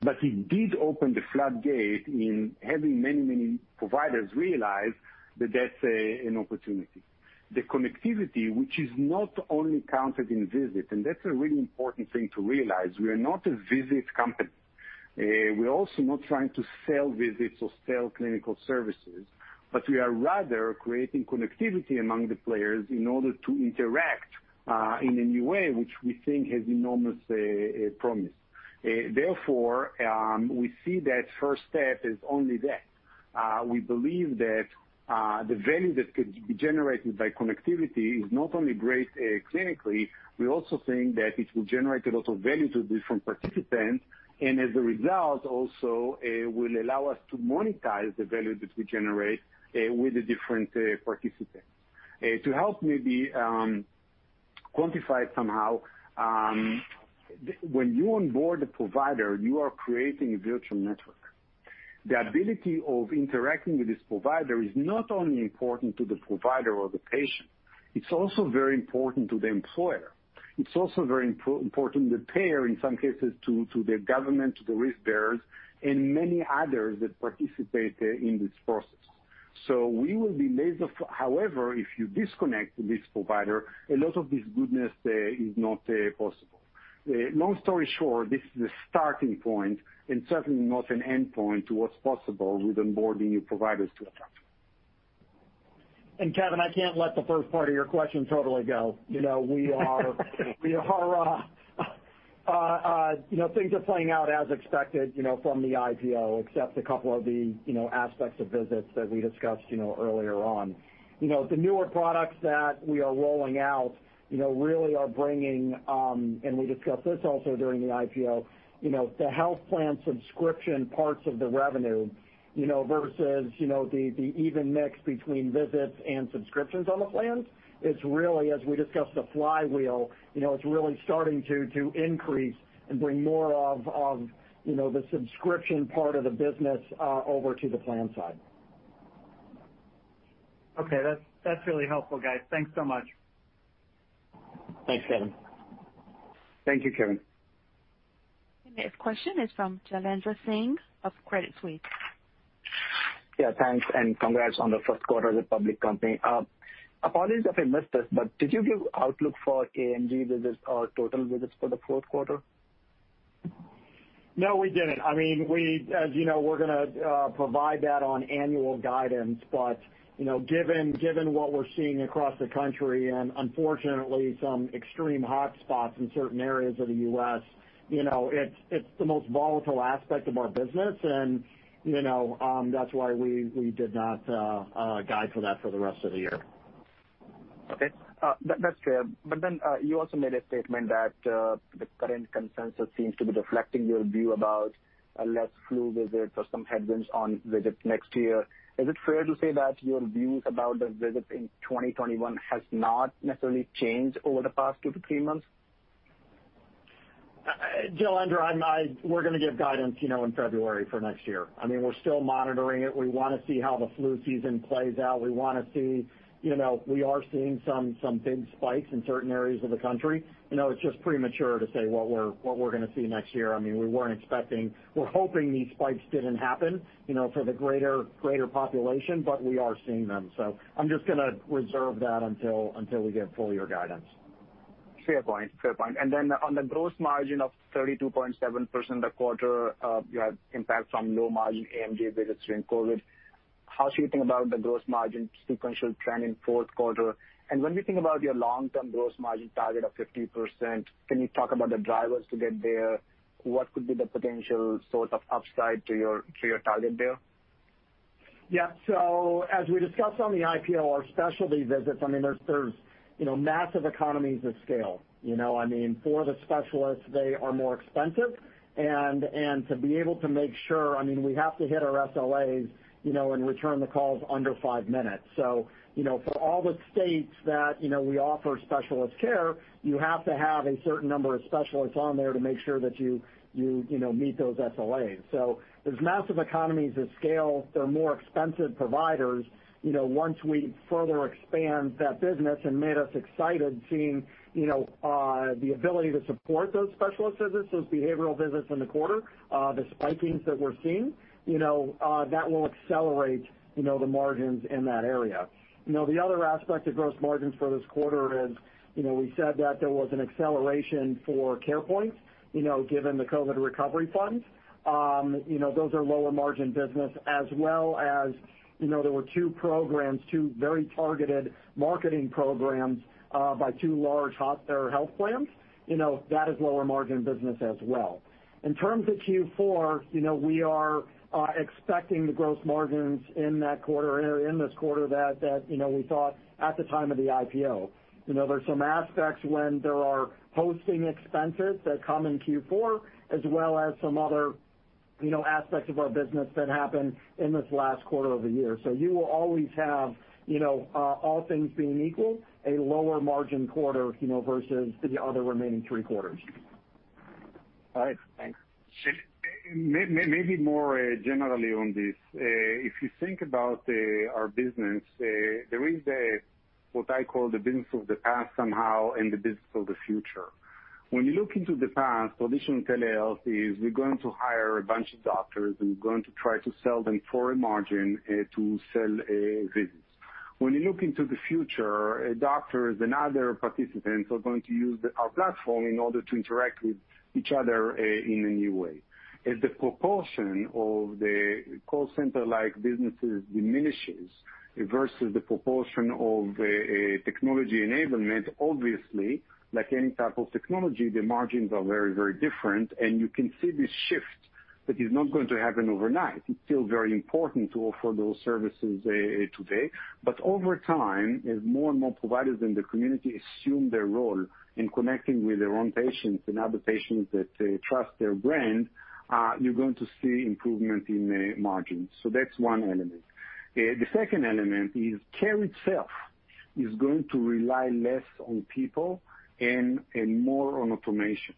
It did open the floodgate in having many providers realize that that's an opportunity. The connectivity, which is not only counted in visits, and that's a really important thing to realize. We are not a visit company. We're also not trying to sell visits or sell clinical services, but we are rather creating connectivity among the players in order to interact in a new way, which we think has enormous promise. Therefore, we see that first step is only that. We believe that the value that could be generated by connectivity is not only great clinically, we also think that it will generate a lot of value to different participants, and as a result, also will allow us to monetize the value that we generate with the different participants. To help maybe quantify it somehow, when you onboard a provider, you are creating a virtual network. The ability of interacting with this provider is not only important to the provider or the patient, it's also very important to the employer. It's also very important to the payer, in some cases, to the government, to the risk bearers, and many others that participate in this process. We will be laser focused. However, if you disconnect this provider, a lot of this goodness is not possible. Long story short, this is a starting point and certainly not an endpoint to what's possible with onboarding new providers to Amwell. Kevin, I can't let the first part of your question totally go. Things are playing out as expected from the IPO, except a couple of the aspects of visits that we discussed earlier on. The newer products that we are rolling out really are bringing, and we discussed this also during the IPO, the health plan subscription parts of the revenue, versus the even mix between visits and subscriptions on the plans. It's really, as we discussed, the flywheel. It's really starting to increase and bring more of the subscription part of the business over to the plan side. Okay, that's really helpful, guys. Thanks so much. Thanks, Kevin. Thank you, Kevin. The next question is from Jailendra Singh of Credit Suisse. Yeah, thanks, congrats on the first quarter as a public company. Apologies if I missed this, did you give outlook for AMG visits or total visits for the fourth quarter? No, we didn't. As you know, we're going to provide that on annual guidance. Given what we're seeing across the country, and unfortunately, some extreme hotspots in certain areas of the U.S., it's the most volatile aspect of our business, and that's why we did not guide for that for the rest of the year. Okay. That's fair. You also made a statement that the current consensus seems to be reflecting your view about less flu visits or some headwinds on visits next year. Is it fair to say that your views about the visits in 2021 has not necessarily changed over the past two to three months? Jailendra, we're going to give guidance in February for next year. We're still monitoring it. We want to see how the flu season plays out. We are seeing some big spikes in certain areas of the country. It's just premature to say what we're going to see next year. We're hoping these spikes didn't happen for the greater population, but we are seeing them. I'm just going to reserve that until we give full year guidance. Fair point. On the gross margin of 32.7% the quarter, you had impact from low margin AMG visits during COVID. How should we think about the gross margin sequential trend in fourth quarter? When we think about your long-term gross margin target of 50%, can you talk about the drivers to get there? What could be the potential source of upside to your target there? Yeah. As we discussed on the IPO, our specialty visits, there's massive economies of scale. For the specialists, they are more expensive, and to be able to make sure, we have to hit our SLAs, and return the calls under five minutes. For all the states that we offer specialist care, you have to have a certain number of specialists on there to make sure that you meet those SLAs. There's massive economies of scale. They're more expensive providers. Once we further expand that business and made us excited seeing the ability to support those specialist visits, those behavioral visits in the quarter, the spikings that we're seeing, that will accelerate the margins in that area. The other aspect of gross margins for this quarter is, we said that there was an acceleration for CarePoint, given the COVID recovery funds. Those are lower margin business as well as there were two very targeted marketing programs, by two large healthcare health plans. That is lower margin business as well. In terms of Q4, we are expecting the gross margins in this quarter that we thought at the time of the IPO. There's some aspects when there are hosting expenses that come in Q4 as well as some other aspects of our business that happen in this last quarter of the year. You will always have all things being equal, a lower margin quarter, versus the other remaining three quarters. All right. Thanks. Maybe more generally on this, if you think about our business, there is what I call the business of the past somehow, and the business of the future. When you look into the past, traditional telehealth is we're going to hire a bunch of doctors and we're going to try to sell them for a margin to sell visits. When you look into the future, doctors and other participants are going to use our platform in order to interact with each other in a new way. As the proportion of the call center-like businesses diminishes versus the proportion of technology enablement, obviously, like any type of technology, the margins are very different, and you can see this shift, but it's not going to happen overnight. It's still very important to offer those services today. Over time, as more and more providers in the community assume their role in connecting with their own patients and other patients that trust their brand, you're going to see improvement in margins. That's one element. The second element is care itself is going to rely less on people and more on automation.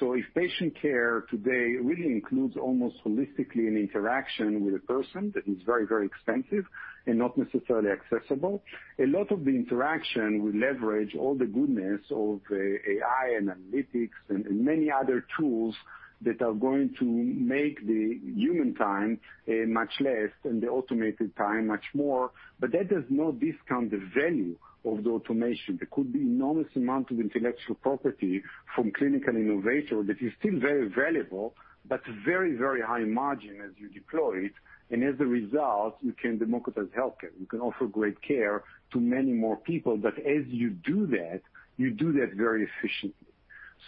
If patient care today really includes almost holistically an interaction with a person that is very expensive and not necessarily accessible, a lot of the interaction will leverage all the goodness of AI, analytics, and many other tools that are going to make the human time much less and the automated time much more. That does not discount the value of the automation. There could be enormous amount of intellectual property from clinical innovation that is still very valuable, but very high margin as you deploy it. As a result, you can democratize healthcare. You can offer great care to many more people. As you do that, you do that very efficiently.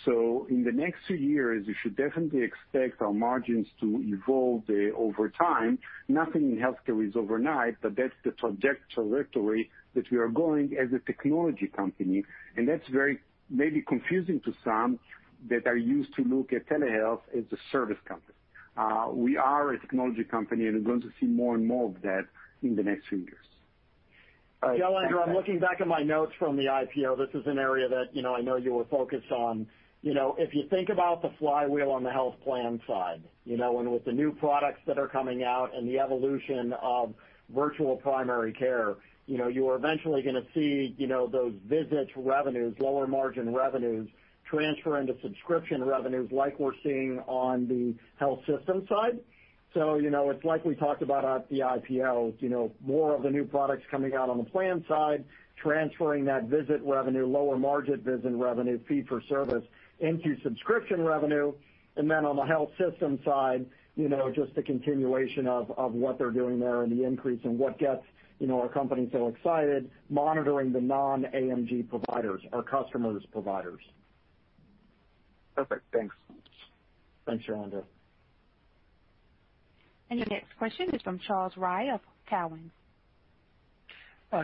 In the next two years, you should definitely expect our margins to evolve over time. Nothing in healthcare is overnight, but that's the trajectory that we are going as a technology company, and that's very, maybe confusing to some that are used to look at telehealth as a service company. We are a technology company, and you're going to see more and more of that in the next few years. Jailendra, I'm looking back at my notes from the IPO. This is an area that I know you were focused on. If you think about the flywheel on the health plan side, and with the new products that are coming out and the evolution of virtual primary care, you are eventually going to see those visits revenues, lower margin revenues, transfer into subscription revenues like we're seeing on the health system side. It's like we talked about at the IPO, more of the new products coming out on the plan side, transferring that visit revenue, lower margin visit revenue fee for service into subscription revenue. On the health system side, just the continuation of what they're doing there and the increase in what gets our company so excited, monitoring the non-AMG providers, our customers' providers. Perfect. Thanks. Thanks, Jailendra. Your next question is from Charles Rhyee of Cowen.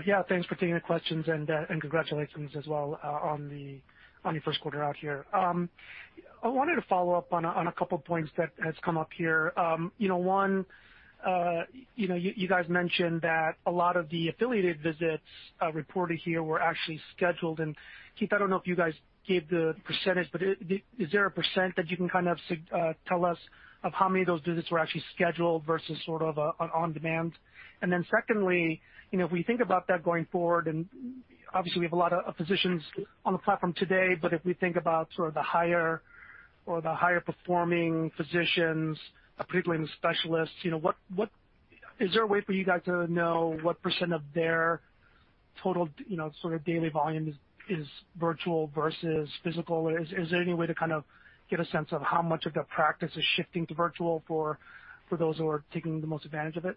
Yeah. Thanks for taking the questions, and congratulations as well on your first quarter out here. I wanted to follow up on a couple points that has come up here. One, you guys mentioned that a lot of the affiliated visits reported here were actually scheduled. Keith, I don't know if you guys gave the %, but is there a % that you can tell us of how many of those visits were actually scheduled versus sort of on-demand? Secondly, if we think about that going forward, and obviously we have a lot of physicians on the platform today, but if we think about sort of the higher or the higher performing physicians, particularly in the specialists, is there a way for you guys to know what % of their total daily volume is virtual versus physical? Is there any way to kind of get a sense of how much of their practice is shifting to virtual for those who are taking the most advantage of it?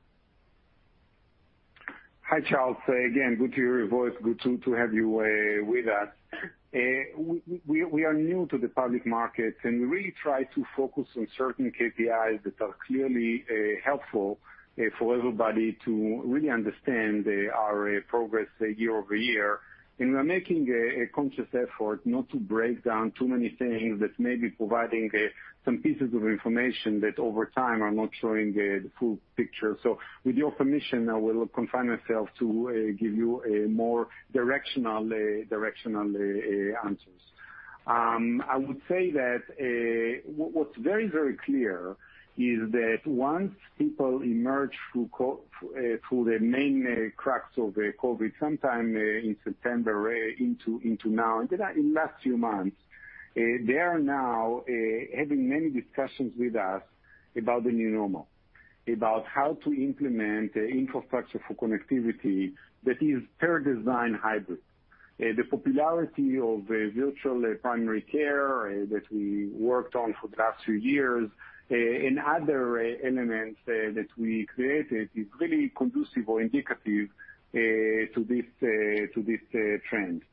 Hi, Charles. Again, good to hear your voice. Good to have you with us. We are new to the public market, we really try to focus on certain KPIs that are clearly helpful for everybody to really understand our progress year-over-year. We're making a conscious effort not to break down too many things that may be providing some pieces of information that over time are not showing the full picture. With your permission, I will confine myself to give you more directional answers. I would say that what's very, very clear is that once people emerge through the main crux of COVID, sometime in September into now, in last few months, they are now having many discussions with us about the new normal, about how to implement infrastructure for connectivity that is per design hybrid. The popularity of virtual primary care that we worked on for the last few years, and other elements that we created is really conducive or indicative to this trend.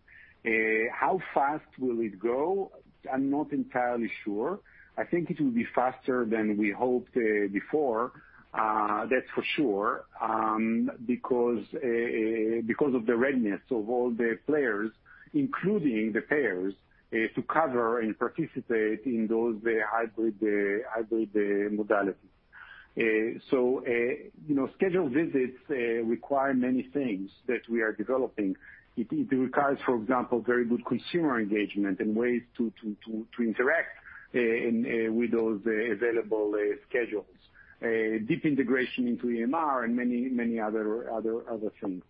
How fast will it go? I'm not entirely sure. I think it will be faster than we hoped before, that's for sure, because of the readiness of all the players, including the payers, to cover and participate in those hybrid modalities. Scheduled visits require many things that we are developing. It requires, for example, very good consumer engagement and ways to interact with those available schedules, deep integration into EMR and many other things.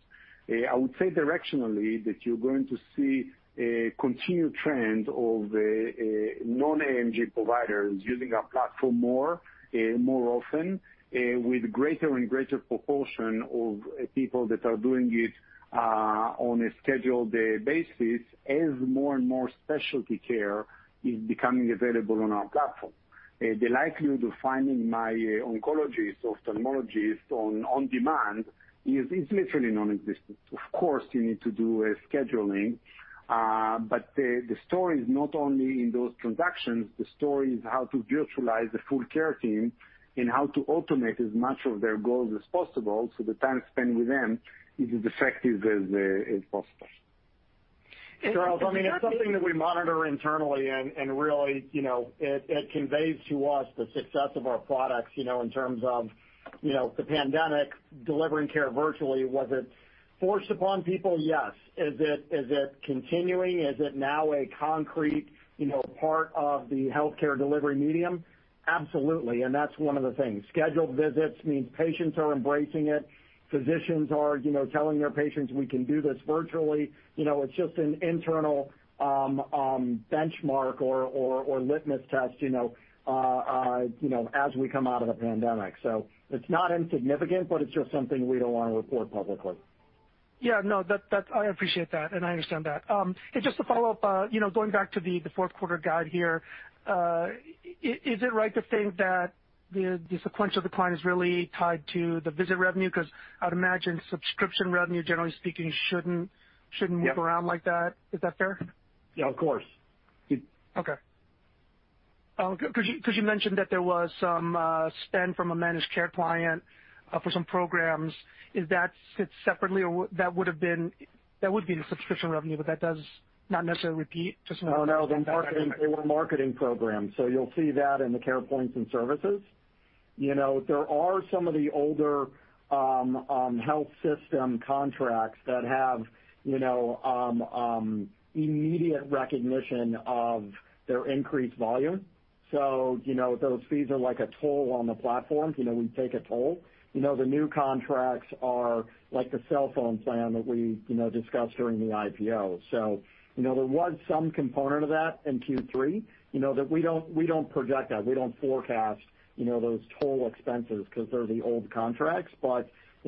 I would say directionally, that you're going to see a continued trend of non-AMG providers using our platform more often, with greater and greater proportion of people that are doing it on a scheduled basis as more and more specialty care is becoming available on our platform. The likelihood of finding my oncologist or ophthalmologist on-demand is literally nonexistent. Of course, you need to do scheduling. The story is not only in those transactions, the story is how to virtualize the full care team and how to automate as much of their goals as possible so the time spent with them is as effective as possible. Charles, it's something that we monitor internally and really, it conveys to us the success of our products in terms of the pandemic, delivering care virtually. Was it forced upon people? Yes. Is it continuing? Is it now a concrete part of the healthcare delivery medium? Absolutely. That's one of the things. Scheduled visits means patients are embracing it. Physicians are telling their patients, "We can do this virtually." It's just an internal benchmark or litmus test as we come out of the pandemic. It's not insignificant, but it's just something we don't want to report publicly. Yeah. No. I appreciate that, and I understand that. Just to follow up, going back to the fourth quarter guide here, is it right to think that the sequential decline is really tied to the visit revenue? I'd imagine subscription revenue, generally speaking, shouldn't. Yeah whip around like that. Is that fair? Yeah, of course. Okay. You mentioned that there was some spend from a managed care client for some programs. Is that set separately or that would have been a subscription revenue, but that does not necessarily repeat? Oh, no. They were marketing programs. You'll see that in the CarePoint and services. There are some of the older health system contracts that have immediate recognition of their increased volume. Those fees are like a toll on the platform. We take a toll. The new contracts are like the cellphone plan that we discussed during the IPO. There was some component of that in Q3. We don't project that. We don't forecast those toll expenses because they're the old contracts.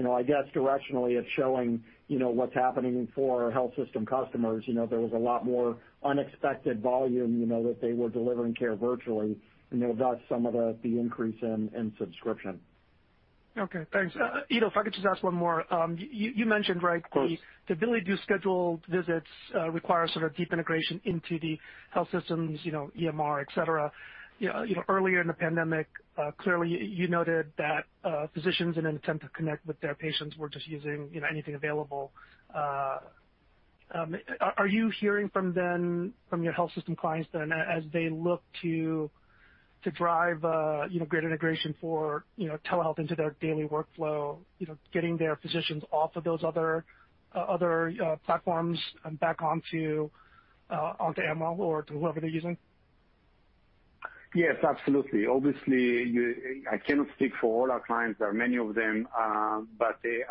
I guess directionally it's showing what's happening for our health system customers. There was a lot more unexpected volume that they were delivering care virtually. Thus some of the increase in subscription. Okay, thanks. Ido, if I could just ask one more. Of course. You mentioned the ability to do scheduled visits requires sort of deep integration into the health systems, EMR, et cetera. Earlier in the pandemic, clearly you noted that physicians in an attempt to connect with their patients were just using anything available. Are you hearing from your health system clients then, as they look to drive greater integration for telehealth into their daily workflow, getting their physicians off of those other platforms and back onto Amwell or to whoever they're using? Yes, absolutely. Obviously, I cannot speak for all our clients. There are many of them. I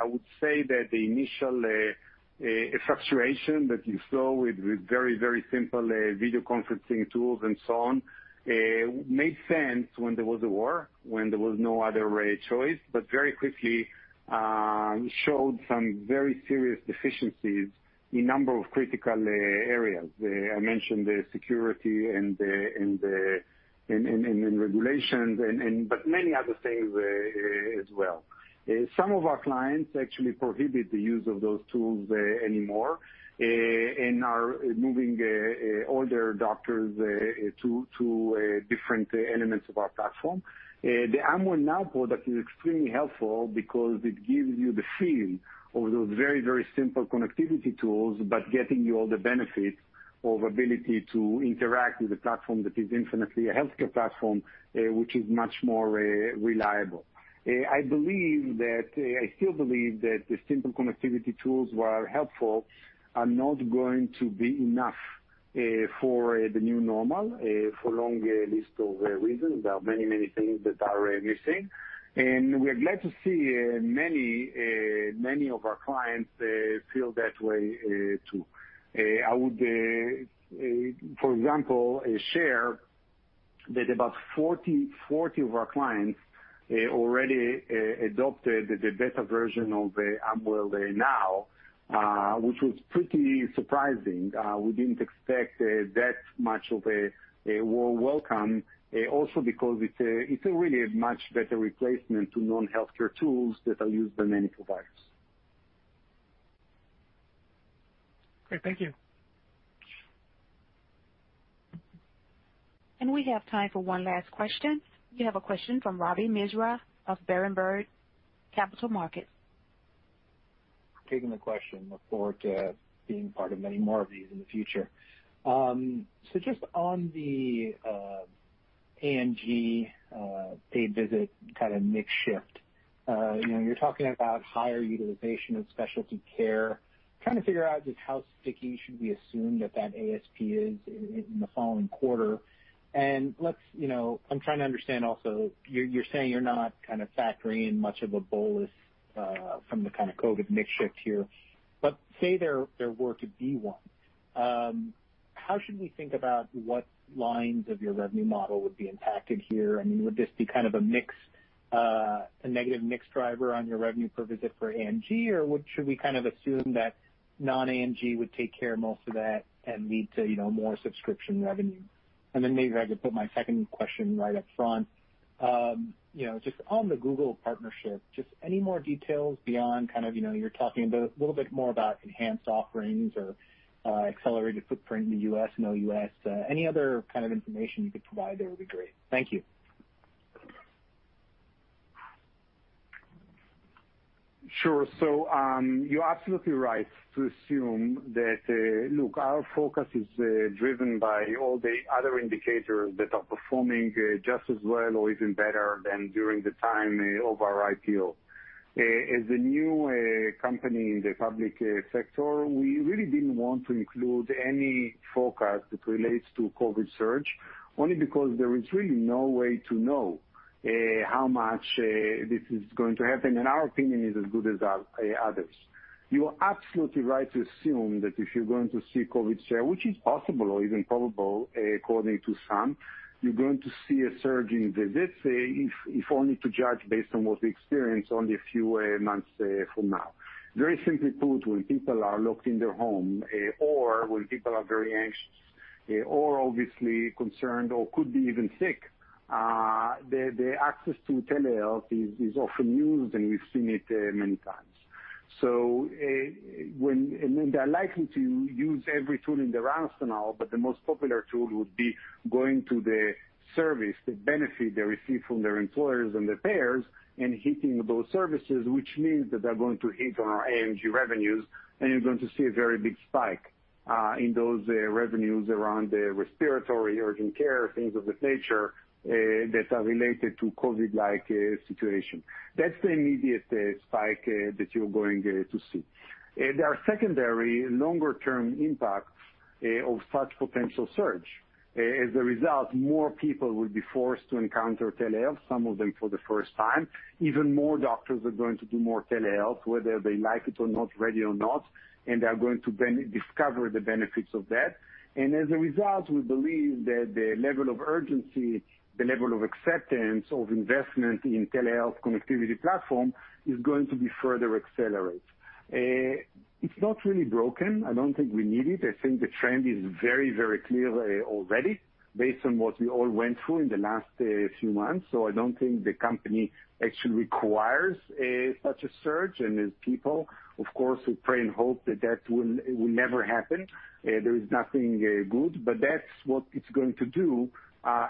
would say that the initial frustration that you saw with very simple video conferencing tools and so on, made sense when there was a war, when there was no other choice, but very quickly showed some very serious deficiencies in number of critical areas. I mentioned the security and in regulations, many other things as well. Some of our clients actually prohibit the use of those tools anymore, are moving all their doctors to different elements of our platform. The Amwell Now product is extremely helpful because it gives you the feel of those very simple connectivity tools, getting you all the benefits of ability to interact with a platform that is infinitely a healthcare platform, which is much more reliable. I still believe that the simple connectivity tools were helpful, are not going to be enough for the new normal, for a long list of reasons. There are many things that are missing, and we're glad to see many of our clients feel that way too. I would, for example, share that about 40 of our clients already adopted the beta version of Amwell Now, which was pretty surprising. We didn't expect that much of a warm welcome also because it's really a much better replacement to non-healthcare tools that are used by many providers. Great. Thank you. We have time for one last question. You have a question from Ravi Misra of Berenberg Capital Markets. Taking the question. Look forward to being part of many more of these in the future. Just on the AMG paid visit kind of mix shift. You're talking about higher utilization of specialty care. Trying to figure out just how sticky should we assume that that ASP is in the following quarter. I'm trying to understand also, you're saying you're not kind of factoring in much of a bolus from the kind of COVID mix shift here. Say there were to be one, how should we think about what lines of your revenue model would be impacted here? Would this be kind of a negative mix driver on your revenue per visit for AMG, or should we kind of assume that non-AMG would take care of most of that and lead to more subscription revenue? Maybe I could put my second question right up front. Just on the Google partnership, just any more details beyond kind of, you're talking a little bit more about enhanced offerings or accelerated footprint in the U.S. Any other kind of information you could provide there would be great. Thank you. Sure. You're absolutely right to assume that, look, our focus is driven by all the other indicators that are performing just as well or even better than during the time of our IPO. As a new company in the public sector, we really didn't want to include any forecast that relates to COVID surge, only because there is really no way to know how much this is going to happen, and our opinion is as good as others. You are absolutely right to assume that if you're going to see COVID share, which is possible or even probable, according to some, you're going to see a surge in visits, if only to judge based on what we experience only a few months from now. Very simply put, when people are locked in their home or when people are very anxious or obviously concerned or could be even sick, the access to telehealth is often used, and we've seen it many times. They're likely to use every tool in their arsenal, but the most popular tool would be going to the service, the benefit they receive from their employers and their payers, and hitting those services, which means that they're going to hit on our AMG revenues, and you're going to see a very big spike in those revenues around respiratory, urgent care, things of that nature, that are related to COVID-like situation. That's the immediate spike that you're going to see. There are secondary, longer-term impacts of such potential surge. As a result, more people will be forced to encounter telehealth, some of them for the first time. Even more doctors are going to do more telehealth, whether they like it or not, ready or not, and they're going to discover the benefits of that. As a result, we believe that the level of urgency, the level of acceptance of investment in telehealth connectivity platform is going to be further accelerated. It's not really broken. I don't think we need it. I think the trend is very clear already based on what we all went through in the last few months. I don't think the company actually requires such a surge. As people, of course, we pray and hope that that will never happen. There is nothing good, but that's what it's going to do,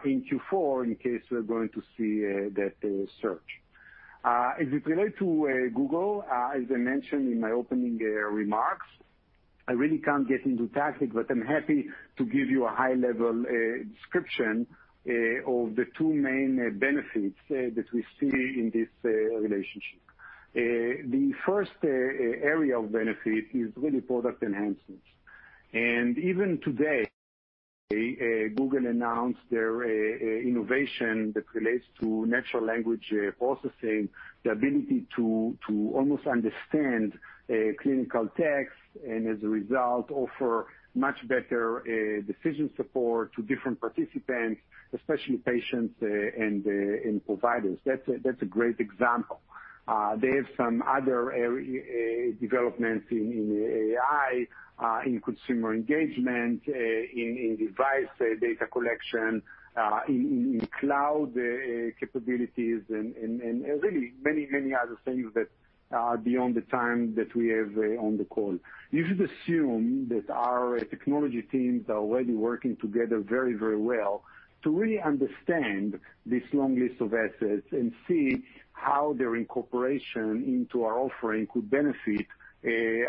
in Q4, in case we're going to see that surge. As it relates to Google, as I mentioned in my opening remarks, I really can't get into tactics, but I'm happy to give you a high-level description of the two main benefits that we see in this relationship. The first area of benefit is really product enhancements. Even today, Google announced their innovation that relates to natural language processing, the ability to almost understand clinical text, and as a result, offer much better decision support to different participants, especially patients and providers. That's a great example. They have some other developments in AI, in consumer engagement, in device data collection, in cloud capabilities, and really many other things that are beyond the time that we have on the call. You should assume that our technology teams are already working together very well to really understand this long list of assets and see how their incorporation into our offering could benefit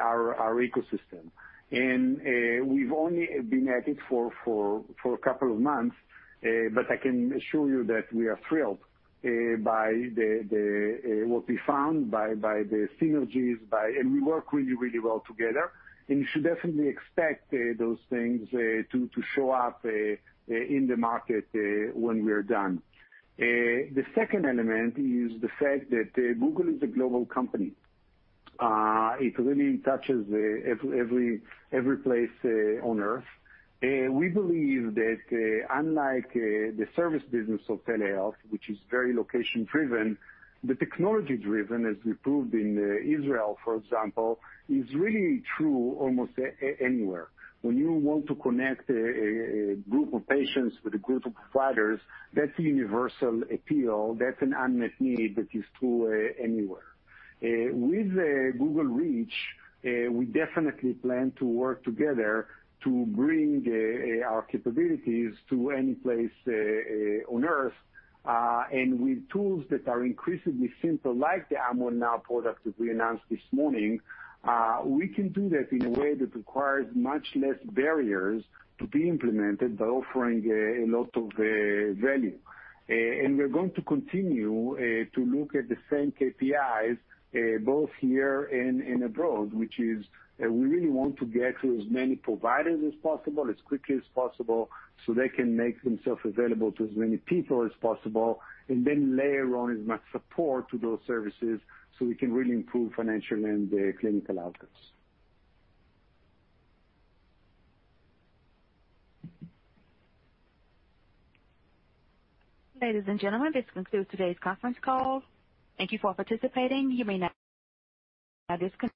our ecosystem. We've only been at it for a couple of months, but I can assure you that we are thrilled by what we found, by the synergies, and we work really well together. You should definitely expect those things to show up in the market when we're done. The second element is the fact that Google is a global company. It really touches every place on Earth. We believe that unlike the service business of telehealth, which is very location-driven, the technology-driven, as we proved in Israel, for example, is really true almost anywhere. When you want to connect a group of patients with a group of providers, that's a universal appeal. That's an unmet need that is true anywhere. With Google reach, we definitely plan to work together to bring our capabilities to any place on Earth. With tools that are increasingly simple, like the Amwell Now product that we announced this morning, we can do that in a way that requires much less barriers to be implemented by offering a lot of value. We're going to continue to look at the same KPIs, both here and abroad, which is we really want to get to as many providers as possible, as quickly as possible, so they can make themselves available to as many people as possible, and then layer on as much support to those services so we can really improve financially and the clinical outcomes. Ladies and gentlemen, this concludes today's conference call. Thank you for participating. You may now disconnect.